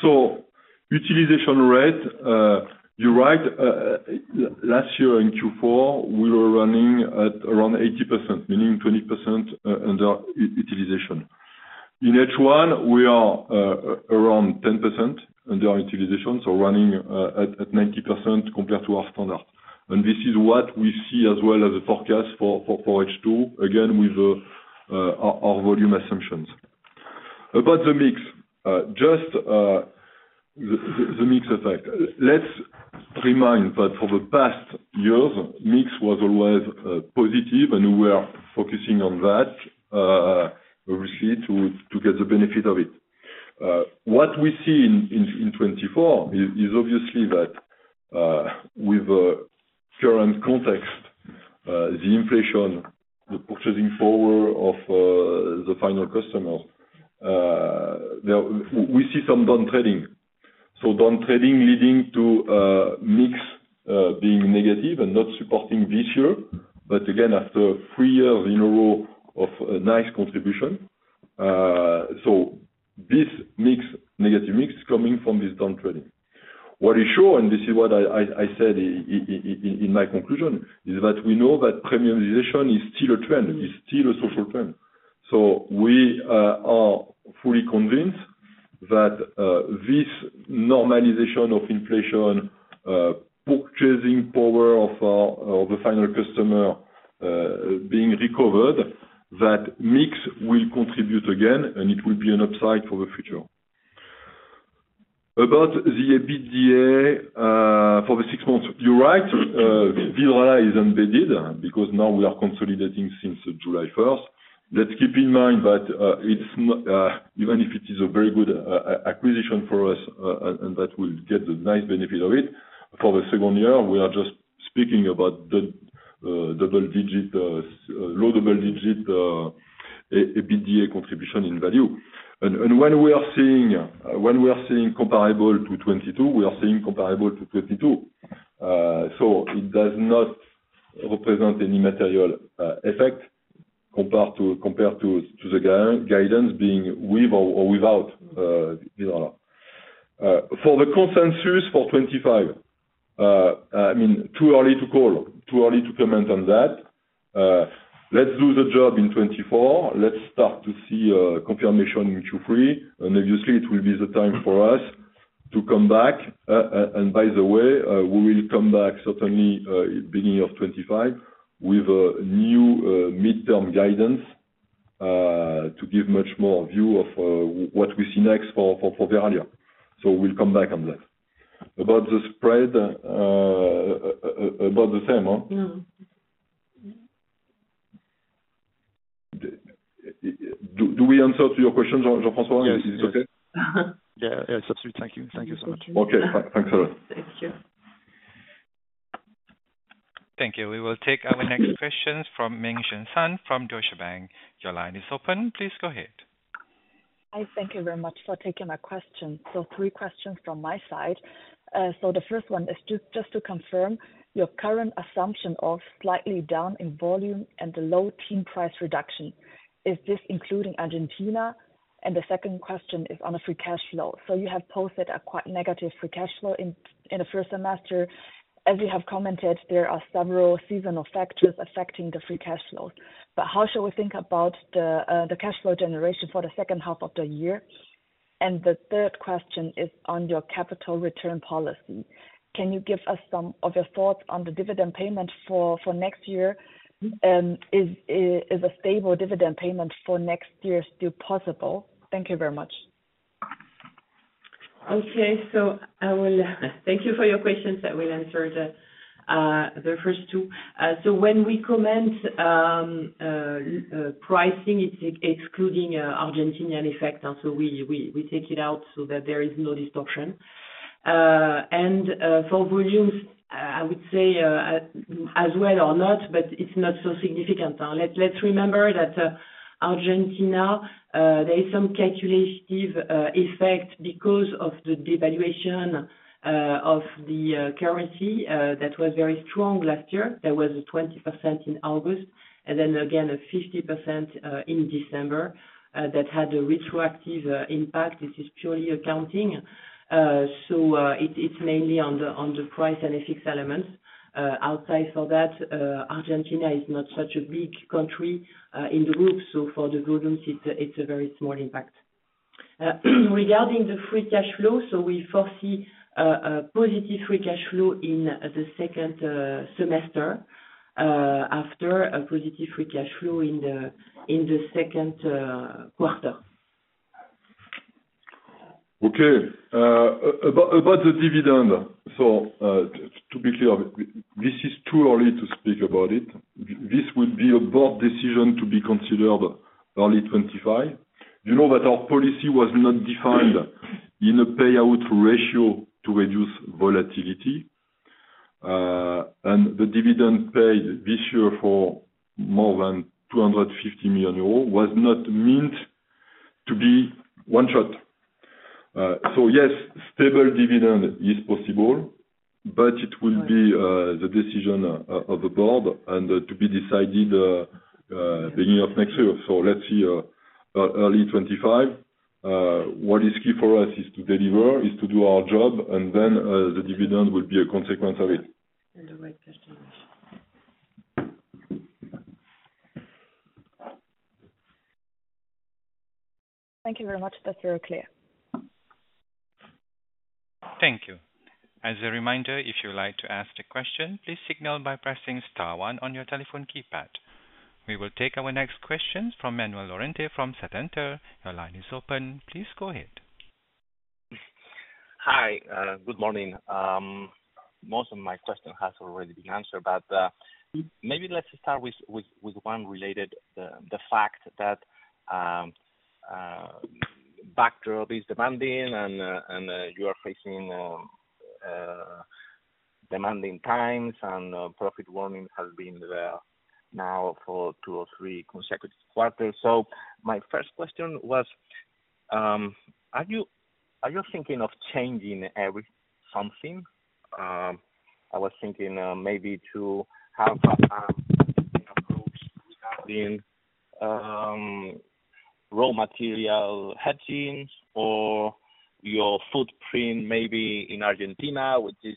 So utilization rate, you're right. Last year in Q4, we were running at around 80%, meaning 20% underutilization. In H1, we are around 10% underutilization, so running at 90% compared to our standard. And this is what we see as well as the forecast for H2, again, with our volume assumptions. About the mix, just the mix effect. Let's remind that for the past years, mix was always positive, and we were focusing on that, obviously, to get the benefit of it. What we see in 2024 is obviously that with the current context, the inflation, the purchasing power of the final customers, we see some downtrading. So downtrading leading to mix being negative and not supporting this year, but again, after three years in a row of nice contribution. So this mix negative mix coming from this downtrading. What is sure, and this is what I said in my conclusion, is that we know that premiumization is still a trend. It's still a social trend. So we are fully convinced that this normalization of inflation, purchasing power of the final customer being recovered, that mix will contribute again, and it will be an upside for the future. About the EBITDA for the six months, you're right. Vidrala is embedded because now we are consolidating since July 1st. Let's keep in mind that even if it is a very good acquisition for us and that we'll get the nice benefit of it, for the second year, we are just speaking about the low double-digit EBITDA contribution in value. And when we are seeing comparable to 2022, we are seeing comparable to 2022. So it does not represent any material effect compared to the guidance being with or without Vidrala. For the consensus for 2025, I mean, too early to call, too early to comment on that. Let's do the job in 2024. Let's start to see confirmation in Q3. And obviously, it will be the time for us to come back. And by the way, we will come back certainly beginning of 2025 with a new midterm guidance to give much more view of what we see next for Vidrala. So we'll come back on that. About the spread, about the same, huh? Do we answer to your questions, Jean-François? Is it okay? Yes. Yeah. Yeah. It's absolutely thank you. Thank you so much. Okay. Thanks a lot. Thank you. Thank you. We will take our next questions from Mengxian Sun from Deutsche Bank. Your line is open. Please go ahead. Hi. Thank you very much for taking my questions. So three questions from my side. So the first one is just to confirm your current assumption of slightly down in volume and the low-teens price reduction. Is this including Argentina? And the second question is on the free cash flow. So you have posted a quite negative free cash flow in the first semester. As you have commented, there are several seasonal factors affecting the free cash flow. But how should we think about the cash flow generation for the second half of the year? And the third question is on your capital return policy. Can you give us some of your thoughts on the dividend payment for next year? Is a stable dividend payment for next year still possible? Thank you very much. Okay. So thank you for your questions. I will answer the first two. So when we comment pricing, it's excluding Argentinian effect. So we take it out so that there is no distortion. And for volumes, I would say as well or not, but it's not so significant. Let's remember that Argentina, there is some calculative effect because of the devaluation of the currency that was very strong last year. There was a 20% in August, and then again a 50% in December that had a retroactive impact. This is purely accounting. So it's mainly on the price and effects elements. Outside for that, Argentina is not such a big country in the group. So for the volumes, it's a very small impact. Regarding the free cash flow, so we foresee a positive free cash flow in the second semester after a positive free cash flow in the Q2. Okay. About the dividend, so to be clear, this is too early to speak about it. This would be a board decision to be considered early 2025. You know that our policy was not defined in a payout ratio to reduce volatility. The dividend paid this year for more than 250 million euros was not meant to be one-shot. Yes, stable dividend is possible, but it will be the decision of the board and to be decided beginning of next year. Let's see early 2025. What is key for us is to deliver, is to do our job, and then the dividend will be a consequence of it. And the right cash generation. Thank you very much. That's very clear. Thank you. As a reminder, if you would like to ask a question, please signal by pressing star one on your telephone keypad. We will take our next questions from Manuel Lorente from Banco Santander. Your line is open. Please go ahead. Hi. Good morning. Most of my questions have already been answered, but maybe let's start with one related to the fact that backdrop is demanding and you are facing demanding times, and profit warnings have been there now for two or three consecutive quarters. So my first question was, are you thinking of changing something? I was thinking maybe to have approach regarding raw material hedging or your footprint maybe in Argentina, which is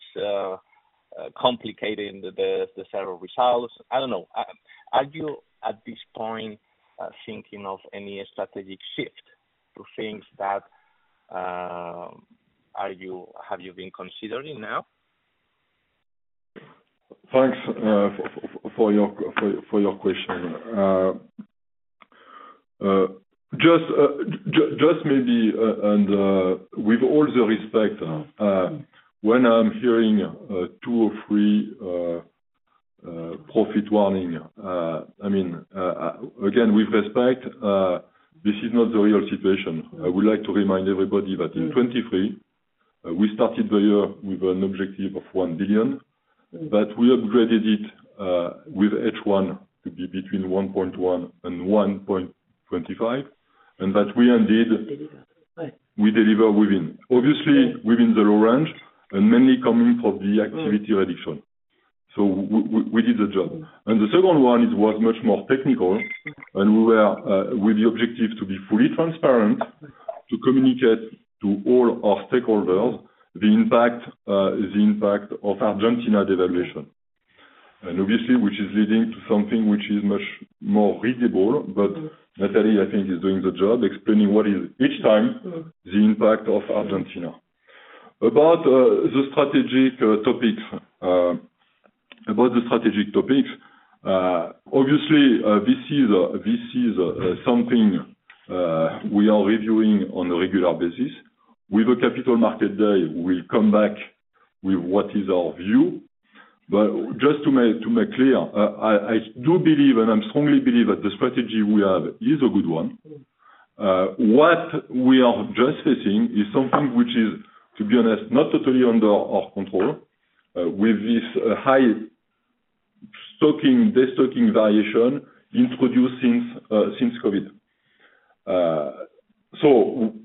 complicating the several results. I don't know. Are you at this point thinking of any strategic shift to things that have you been considering now? Thanks for your question. Just maybe, and with all the respect, when I'm hearing two or three profit warnings, I mean, again, with respect, this is not the real situation. I would like to remind everybody that in 2023, we started the year with an objective of 1 billion, but we upgraded it with H1 to be between 1.1 billion and 1.25 billion, and that we deliver within, obviously, within the low range and mainly coming from the activity reduction. So we did the job. And the second one was much more technical, and we were with the objective to be fully transparent, to communicate to all our stakeholders the impact of Argentina devaluation. And obviously, which is leading to something which is much more readable, but Nathalie, I think, is doing the job, explaining what is each time the impact of Argentina. About the strategic topics, obviously, this is something we are reviewing on a regular basis. With the capital market day, we'll come back with what is our view. But just to make clear, I do believe, and I strongly believe that the strategy we have is a good one. What we are just facing is something which is, to be honest, not totally under our control with this high stocking destocking variation introduced since COVID.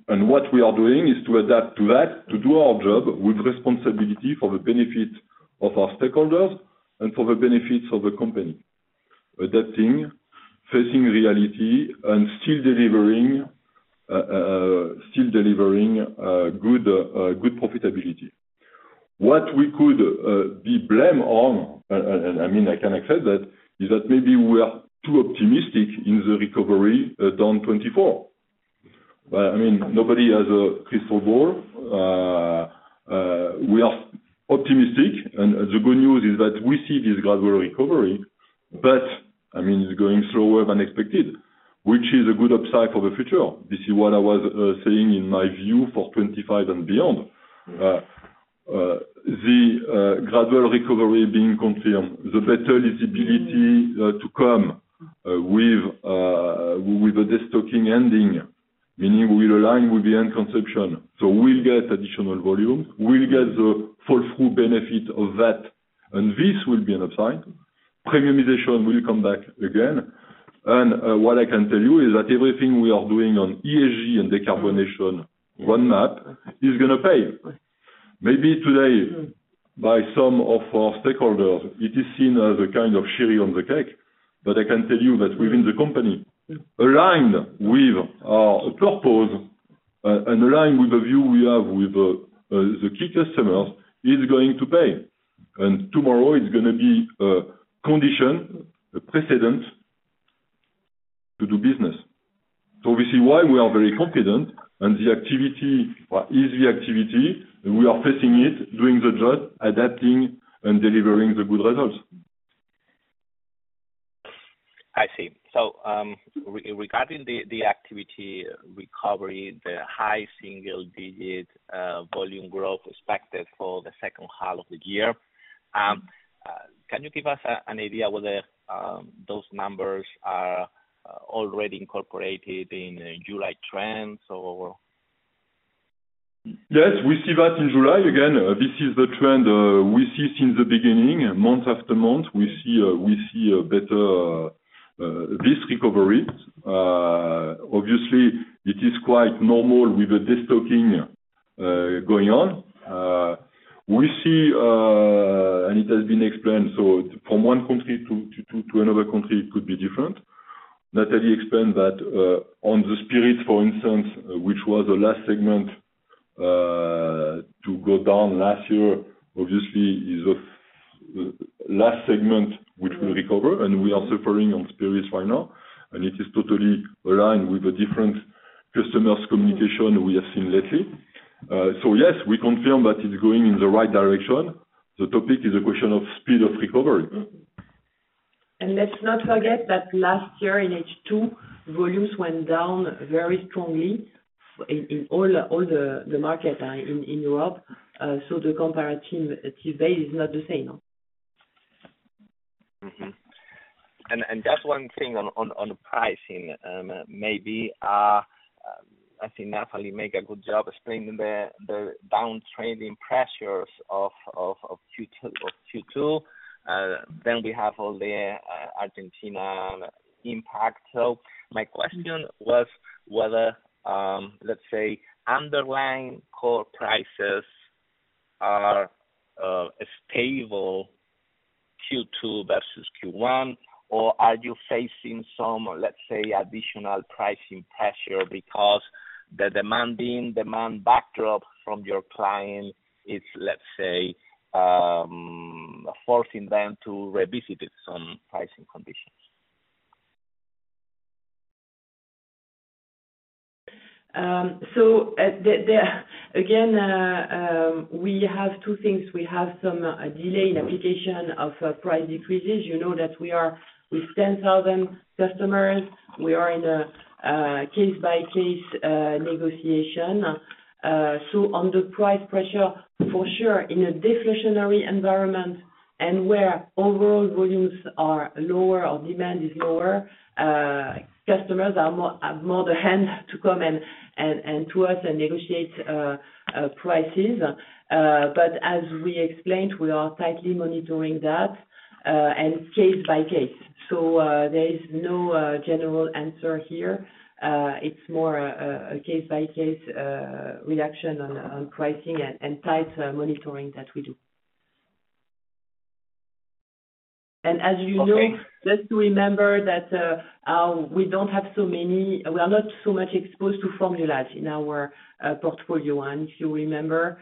And what we are doing is to adapt to that, to do our job with responsibility for the benefit of our stakeholders and for the benefits of the company, adapting, facing reality, and still delivering good profitability. What we could be blame on, and I mean, I can accept that, is that maybe we are too optimistic in the recovery done 2024. I mean, nobody has a crystal ball. We are optimistic, and the good news is that we see this gradual recovery, but I mean, it's going slower than expected, which is a good upside for the future. This is what I was saying in my view for 2025 and beyond. The gradual recovery being confirmed, the better visibility to come with a destocking ending, meaning we will align with the end consumption. So we'll get additional volume. We'll get the flow-through benefit of that, and this will be an upside. Premiumization will come back again. What I can tell you is that everything we are doing on ESG and decarbonization roadmap is going to pay. Maybe today, by some of our stakeholders, it is seen as a kind of cherry on the cake, but I can tell you that within the company, aligned with our purpose and aligned with the view we have with the key customers, it's going to pay. Tomorrow, it's going to be a condition, a precedent to do business. So we see why we are very confident, and the activity is the activity. We are facing it, doing the job, adapting, and delivering the good results. I see. So regarding the activity recovery, the high single-digit volume growth expected for the second half of the year, can you give us an idea whether those numbers are already incorporated in July trends or? Yes. We see that in July. Again, this is the trend we see since the beginning. Month after month, we see better price recovery. Obviously, it is quite normal with the destocking going on. We see, and it has been explained, so from one country to another country, it could be different. Nathalie explained that on the spirits, for instance, which was the last segment to go down last year, obviously, is the last segment which will recover, and we are suffering on spirits right now. It is totally aligned with the different customers' communication we have seen lately. Yes, we confirm that it's going in the right direction. The topic is a question of speed of recovery. Let's not forget that last year in H2, volumes went down very strongly in all the markets in Europe. The comparative base is not the same. That's one thing on pricing. Maybe I think Nathalie made a good job explaining the downtrending pressures of Q2. We have all the Argentina impact. My question was whether, let's say, underlying core prices are stable Q2 versus Q1, or are you facing some, let's say, additional pricing pressure because the demanding demand backdrop from your client is, let's say, forcing them to revisit some pricing conditions? Again, we have two things. We have some delay in application of price decreases. You know that we are with 10,000 customers. We are in a case-by-case negotiation. So on the price pressure, for sure, in a deflationary environment and where overall volumes are lower or demand is lower, customers have more the hand to come and to us and negotiate prices. But as we explained, we are tightly monitoring that and case by case. So there is no general answer here. It's more a case-by-case reaction on pricing and tight monitoring that we do. And as you know, just to remember that we don't have so many we are not so much exposed to formulas in our portfolio. And if you remember,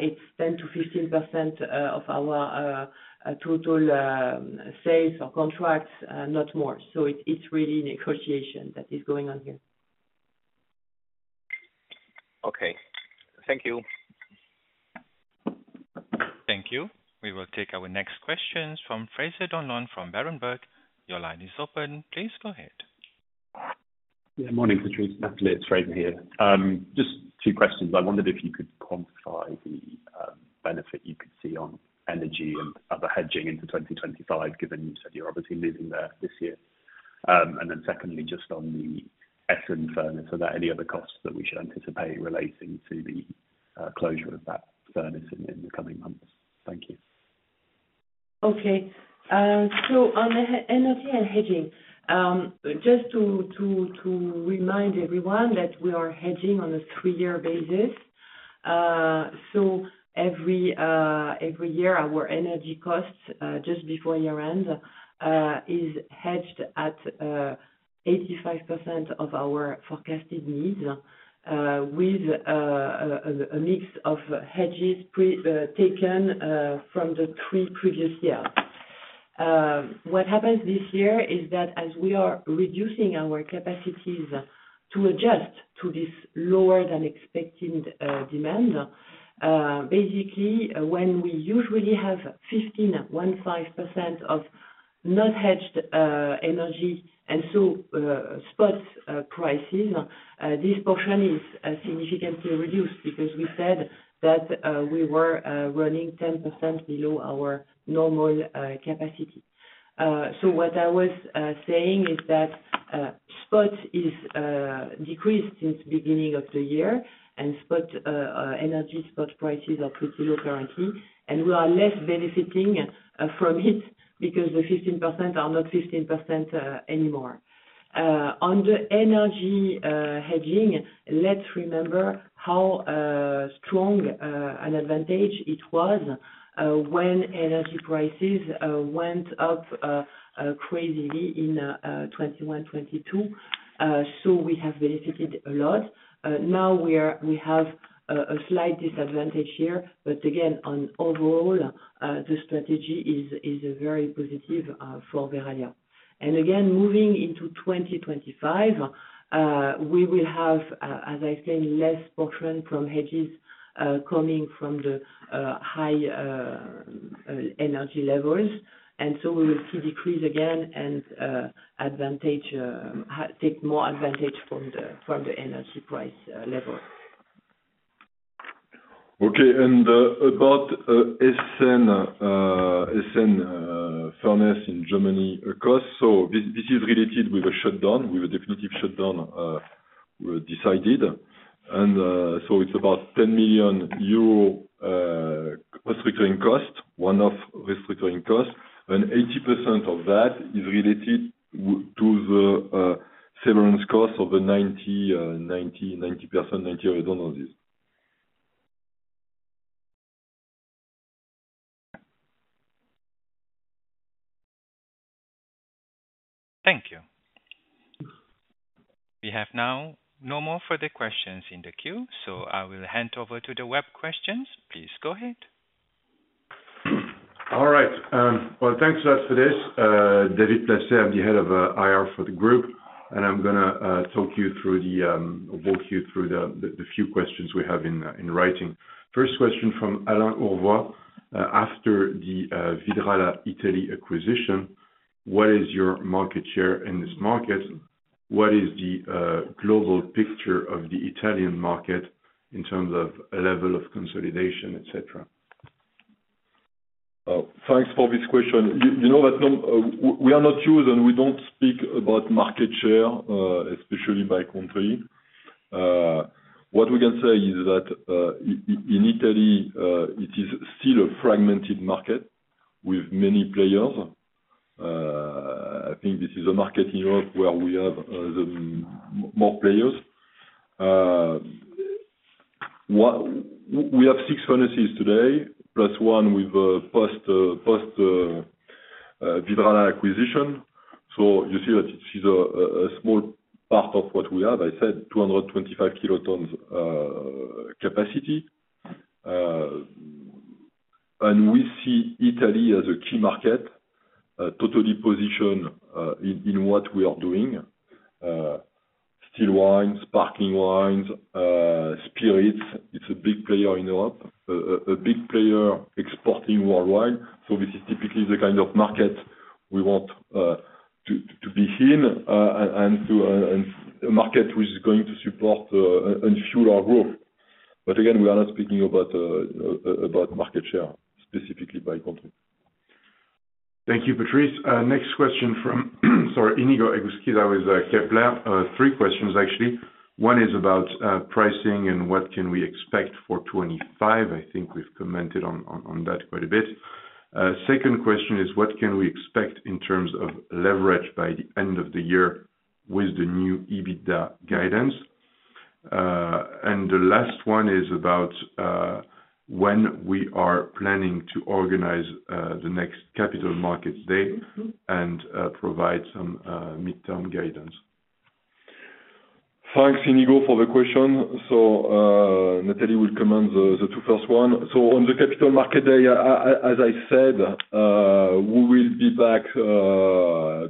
it's 10%-15% of our total sales or contracts, not more. So it's really negotiation that is going on here. Okay. Thank you. Thank you. We will take our next questions from Fraser Donlon from Berenberg. Your line is open. Please go ahead. Yeah. Morning, Patrice and Nathalie. Fraser here. Just two questions. I wondered if you could quantify the benefit you could see on energy and other hedging into 2025, given you said you're obviously moving there this year. And then secondly, just on the Essen furnace, are there any other costs that we should anticipate relating to the closure of that furnace in the coming months? Thank you. Okay. So on the energy and hedging, just to remind everyone that we are hedging on a three-year basis. So every year, our energy costs just before year-end is hedged at 85% of our forecasted needs with a mix of hedges taken from the three previous years. What happens this year is that as we are reducing our capacities to adjust to this lower than expected demand, basically, when we usually have 15, 15% of not hedged energy and so spot prices, this portion is significantly reduced because we said that we were running 10% below our normal capacity. So what I was saying is that spot is decreased since the beginning of the year, and energy spot prices are pretty low currently. And we are less benefiting from it because the 15% are not 15% anymore. On the energy hedging, let's remember how strong an advantage it was when energy prices went up crazily in 2021, 2022. So we have benefited a lot. Now we have a slight disadvantage here, but again, on overall, the strategy is very positive for Verallia. Again, moving into 2025, we will have, as I explained, less portion from hedges coming from the high energy levels. So we will see decrease again and take more advantage from the energy price level. Okay. About Essen furnace in Germany costs, so this is related with a shutdown, with a definitive shutdown decided. So it's about 10 million euro restructuring cost, one-off restructuring cost. And 80% of that is related to the severance cost of the 90%, 90%, 90% redundancies. Thank you. We have now no more further questions in the queue, so I will hand over to the web questions. Please go ahead. All right. Well, thanks a lot, Patrice. David Placet, I'm the head of IR for the group, and I'm going to talk you through the walk you through the few questions we have in writing. First question from Alain Urvois. After the Vidrala Italy acquisition, what is your market share in this market? What is the global picture of the Italian market in terms of level of consolidation, etc.? Thanks for this question. You know that we are not used and we don't speak about market share, especially by country. What we can say is that in Italy, it is still a fragmented market with many players. I think this is a market in Europe where we have more players. We have 6 furnaces today, plus one with post-Vidrala acquisition. So you see that it is a small part of what we have. I said 225 kilotons capacity. And we see Italy as a key market, totally positioned in what we are doing: still wines, sparkling wines, spirits. It's a big player in Europe, a big player exporting worldwide. So this is typically the kind of market we want to be in and a market which is going to support and fuel our growth. But again, we are not speaking about market share, specifically by country. Thank you, Patrice. Next question from, sorry, Inigo Egusquiza, who is Kepler. Three questions, actually. One is about pricing and what can we expect for 2025. I think we've commented on that quite a bit. Second question is, what can we expect in terms of leverage by the end of the year with the new EBITDA guidance? And the last one is about when we are planning to organize the next Capital Markets Day and provide some midterm guidance. Thanks, Inigo, for the question. So Nathalie will comment on the two first ones. So on the capital market day, as I said, we will be back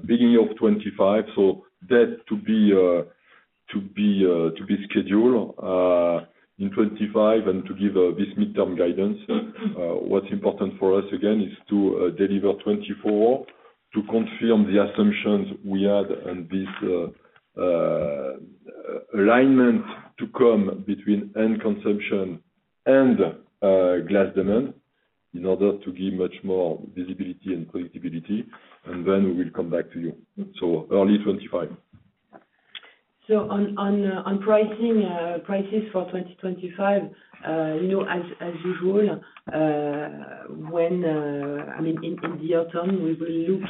beginning of 2025. So that to be scheduled in 2025 and to give this midterm guidance, what's important for us, again, is to deliver 2024 to confirm the assumptions we had and this alignment to come between end consumption and glass demand in order to give much more visibility and predictability. And then we will come back to you. So early 2025. So on pricing prices for 2025, as usual, I mean, in the autumn, we will look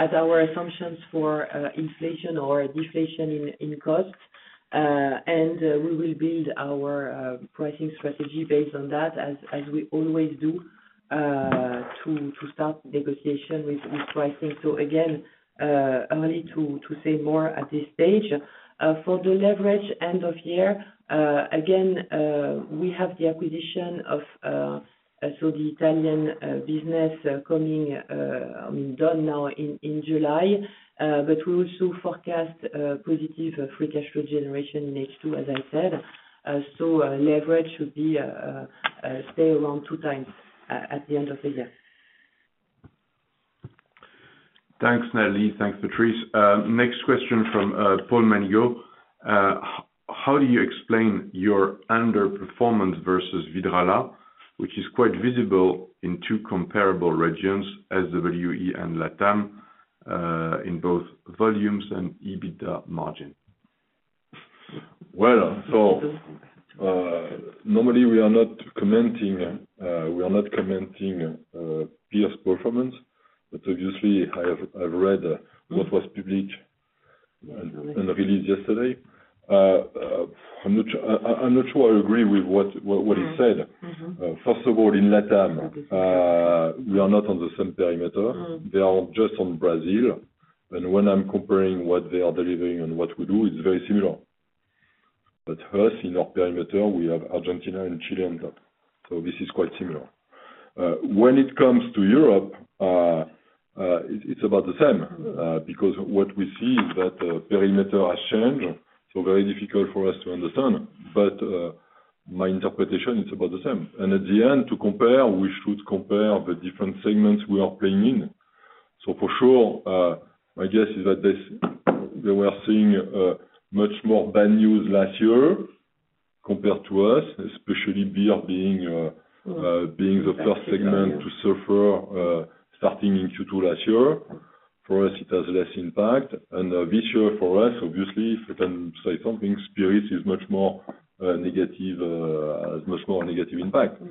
at our assumptions for inflation or deflation in cost. And we will build our pricing strategy based on that, as we always do, to start negotiation with pricing. So again, early to say more at this stage. For the leverage end of year, again, we have the acquisition of, so the Italian business coming, I mean, done now in July. But we also forecast positive free cash flow generation in H2, as I said. So leverage should stay around 2x at the end of the year. Thanks, Nathalie. Thanks, Patrice. Next question from Paul Manigault. How do you explain your underperformance versus Vidrala, which is quite visible in two comparable regions, SWE and LATAM, in both volumes and EBITDA margin? Well, so normally, we are not commenting. We are not commenting peer's performance. But obviously, I've read what was published and released yesterday. I'm not sure I agree with what he said. First of all, in LATAM, we are not on the same perimeter. They are just on Brazil. And when I'm comparing what they are delivering and what we do, it's very similar. But us, in our perimeter, we have Argentina and Chile on top. So this is quite similar. When it comes to Europe, it's about the same because what we see is that perimeter has changed. Very difficult for us to understand. My interpretation, it's about the same. At the end, to compare, we should compare the different segments we are playing in. For sure, my guess is that we were seeing much more bad news last year compared to us, especially beer being the first segment to suffer starting in Q2 last year. For us, it has less impact. This year for us, obviously, if I can say something, spirits is much more negative, has much more negative impact.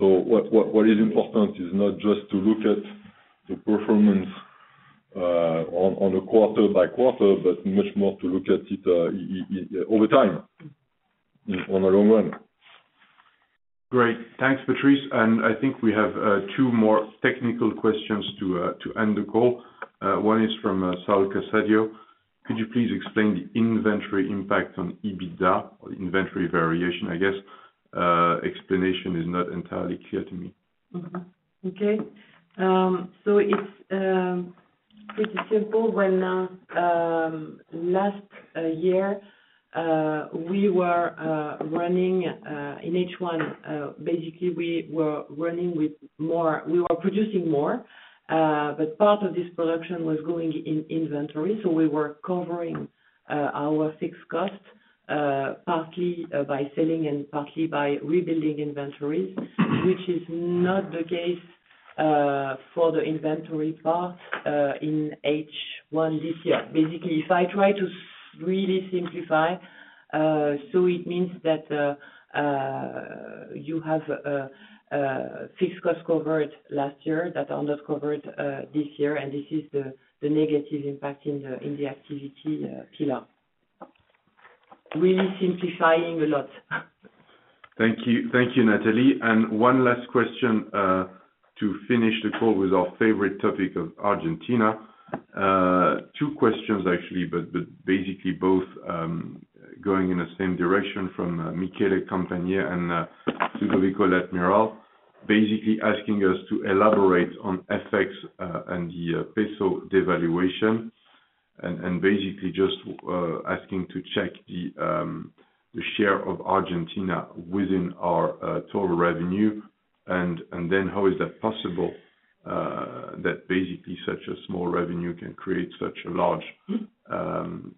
What is important is not just to look at the performance on a quarter by quarter, but much more to look at it over time on a long run. Great. Thanks, Patrice. I think we have two more technical questions to end the call. One is from Sauro Casadio. Could you please explain the inventory impact on EBITDA or the inventory variation, I guess? Explanation is not entirely clear to me. Okay. So it's pretty simple. When last year, we were running in H1, basically, we were running with more we were producing more. But part of this production was going in inventory. So we were covering our fixed cost partly by selling and partly by rebuilding inventories, which is not the case for the inventory part in H1 this year. Basically, if I try to really simplify, so it means that you have fixed cost covered last year that are not covered this year. And this is the negative impact in the activity pillar. Really simplifying a lot. Thank you. Thank you, Nathalie. And one last question to finish the call with our favorite topic of Argentina. Two questions, actually, but basically both going in the same direction from Michele Campagner and Ludovico Latmiral, basically asking us to elaborate on FX and the peso devaluation and basically just asking to check the share of Argentina within our total revenue. And then how is that possible that basically such a small revenue can create such a large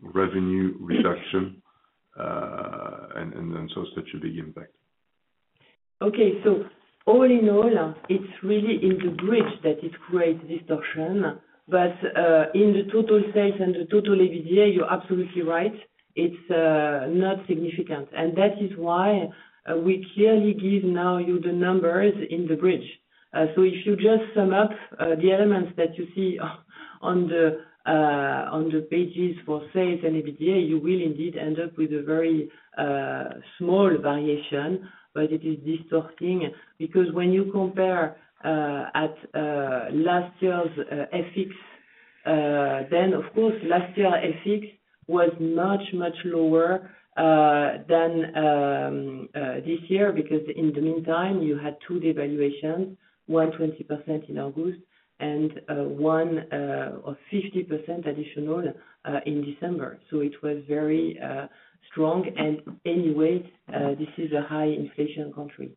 revenue reduction and then such a big impact? Okay. So all in all, it's really in the bridge that it creates distortion. But in the total sales and the total EBITDA, you're absolutely right. It's not significant. And that is why we clearly give now you the numbers in the bridge. So if you just sum up the elements that you see on the pages for sales and EBITDA, you will indeed end up with a very small variation, but it is distorting because when you compare at last year's FX, then of course, last year's FX was much, much lower than this year because in the meantime, you had two devaluations, one 20% in August and one of 50% additional in December. So it was very strong. And anyway, this is a high inflation country.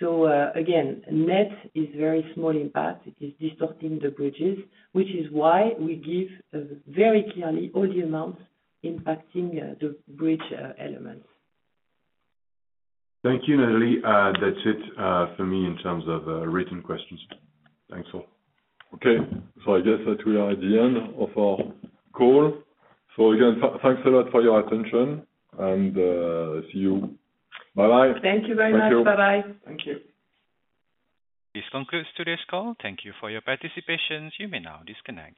So again, net is very small impact. It is distorting the bridges, which is why we give very clearly all the amounts impacting the bridge elements. Thank you, Nathalie. That's it for me in terms of written questions. Thanks all. Okay. So I guess that we are at the end of our call. So again, thanks a lot for your attention. And see you. Bye-bye. Thank you very much. Bye-bye. Thank you. This concludes today's call. Thank you for your participation. You may now disconnect.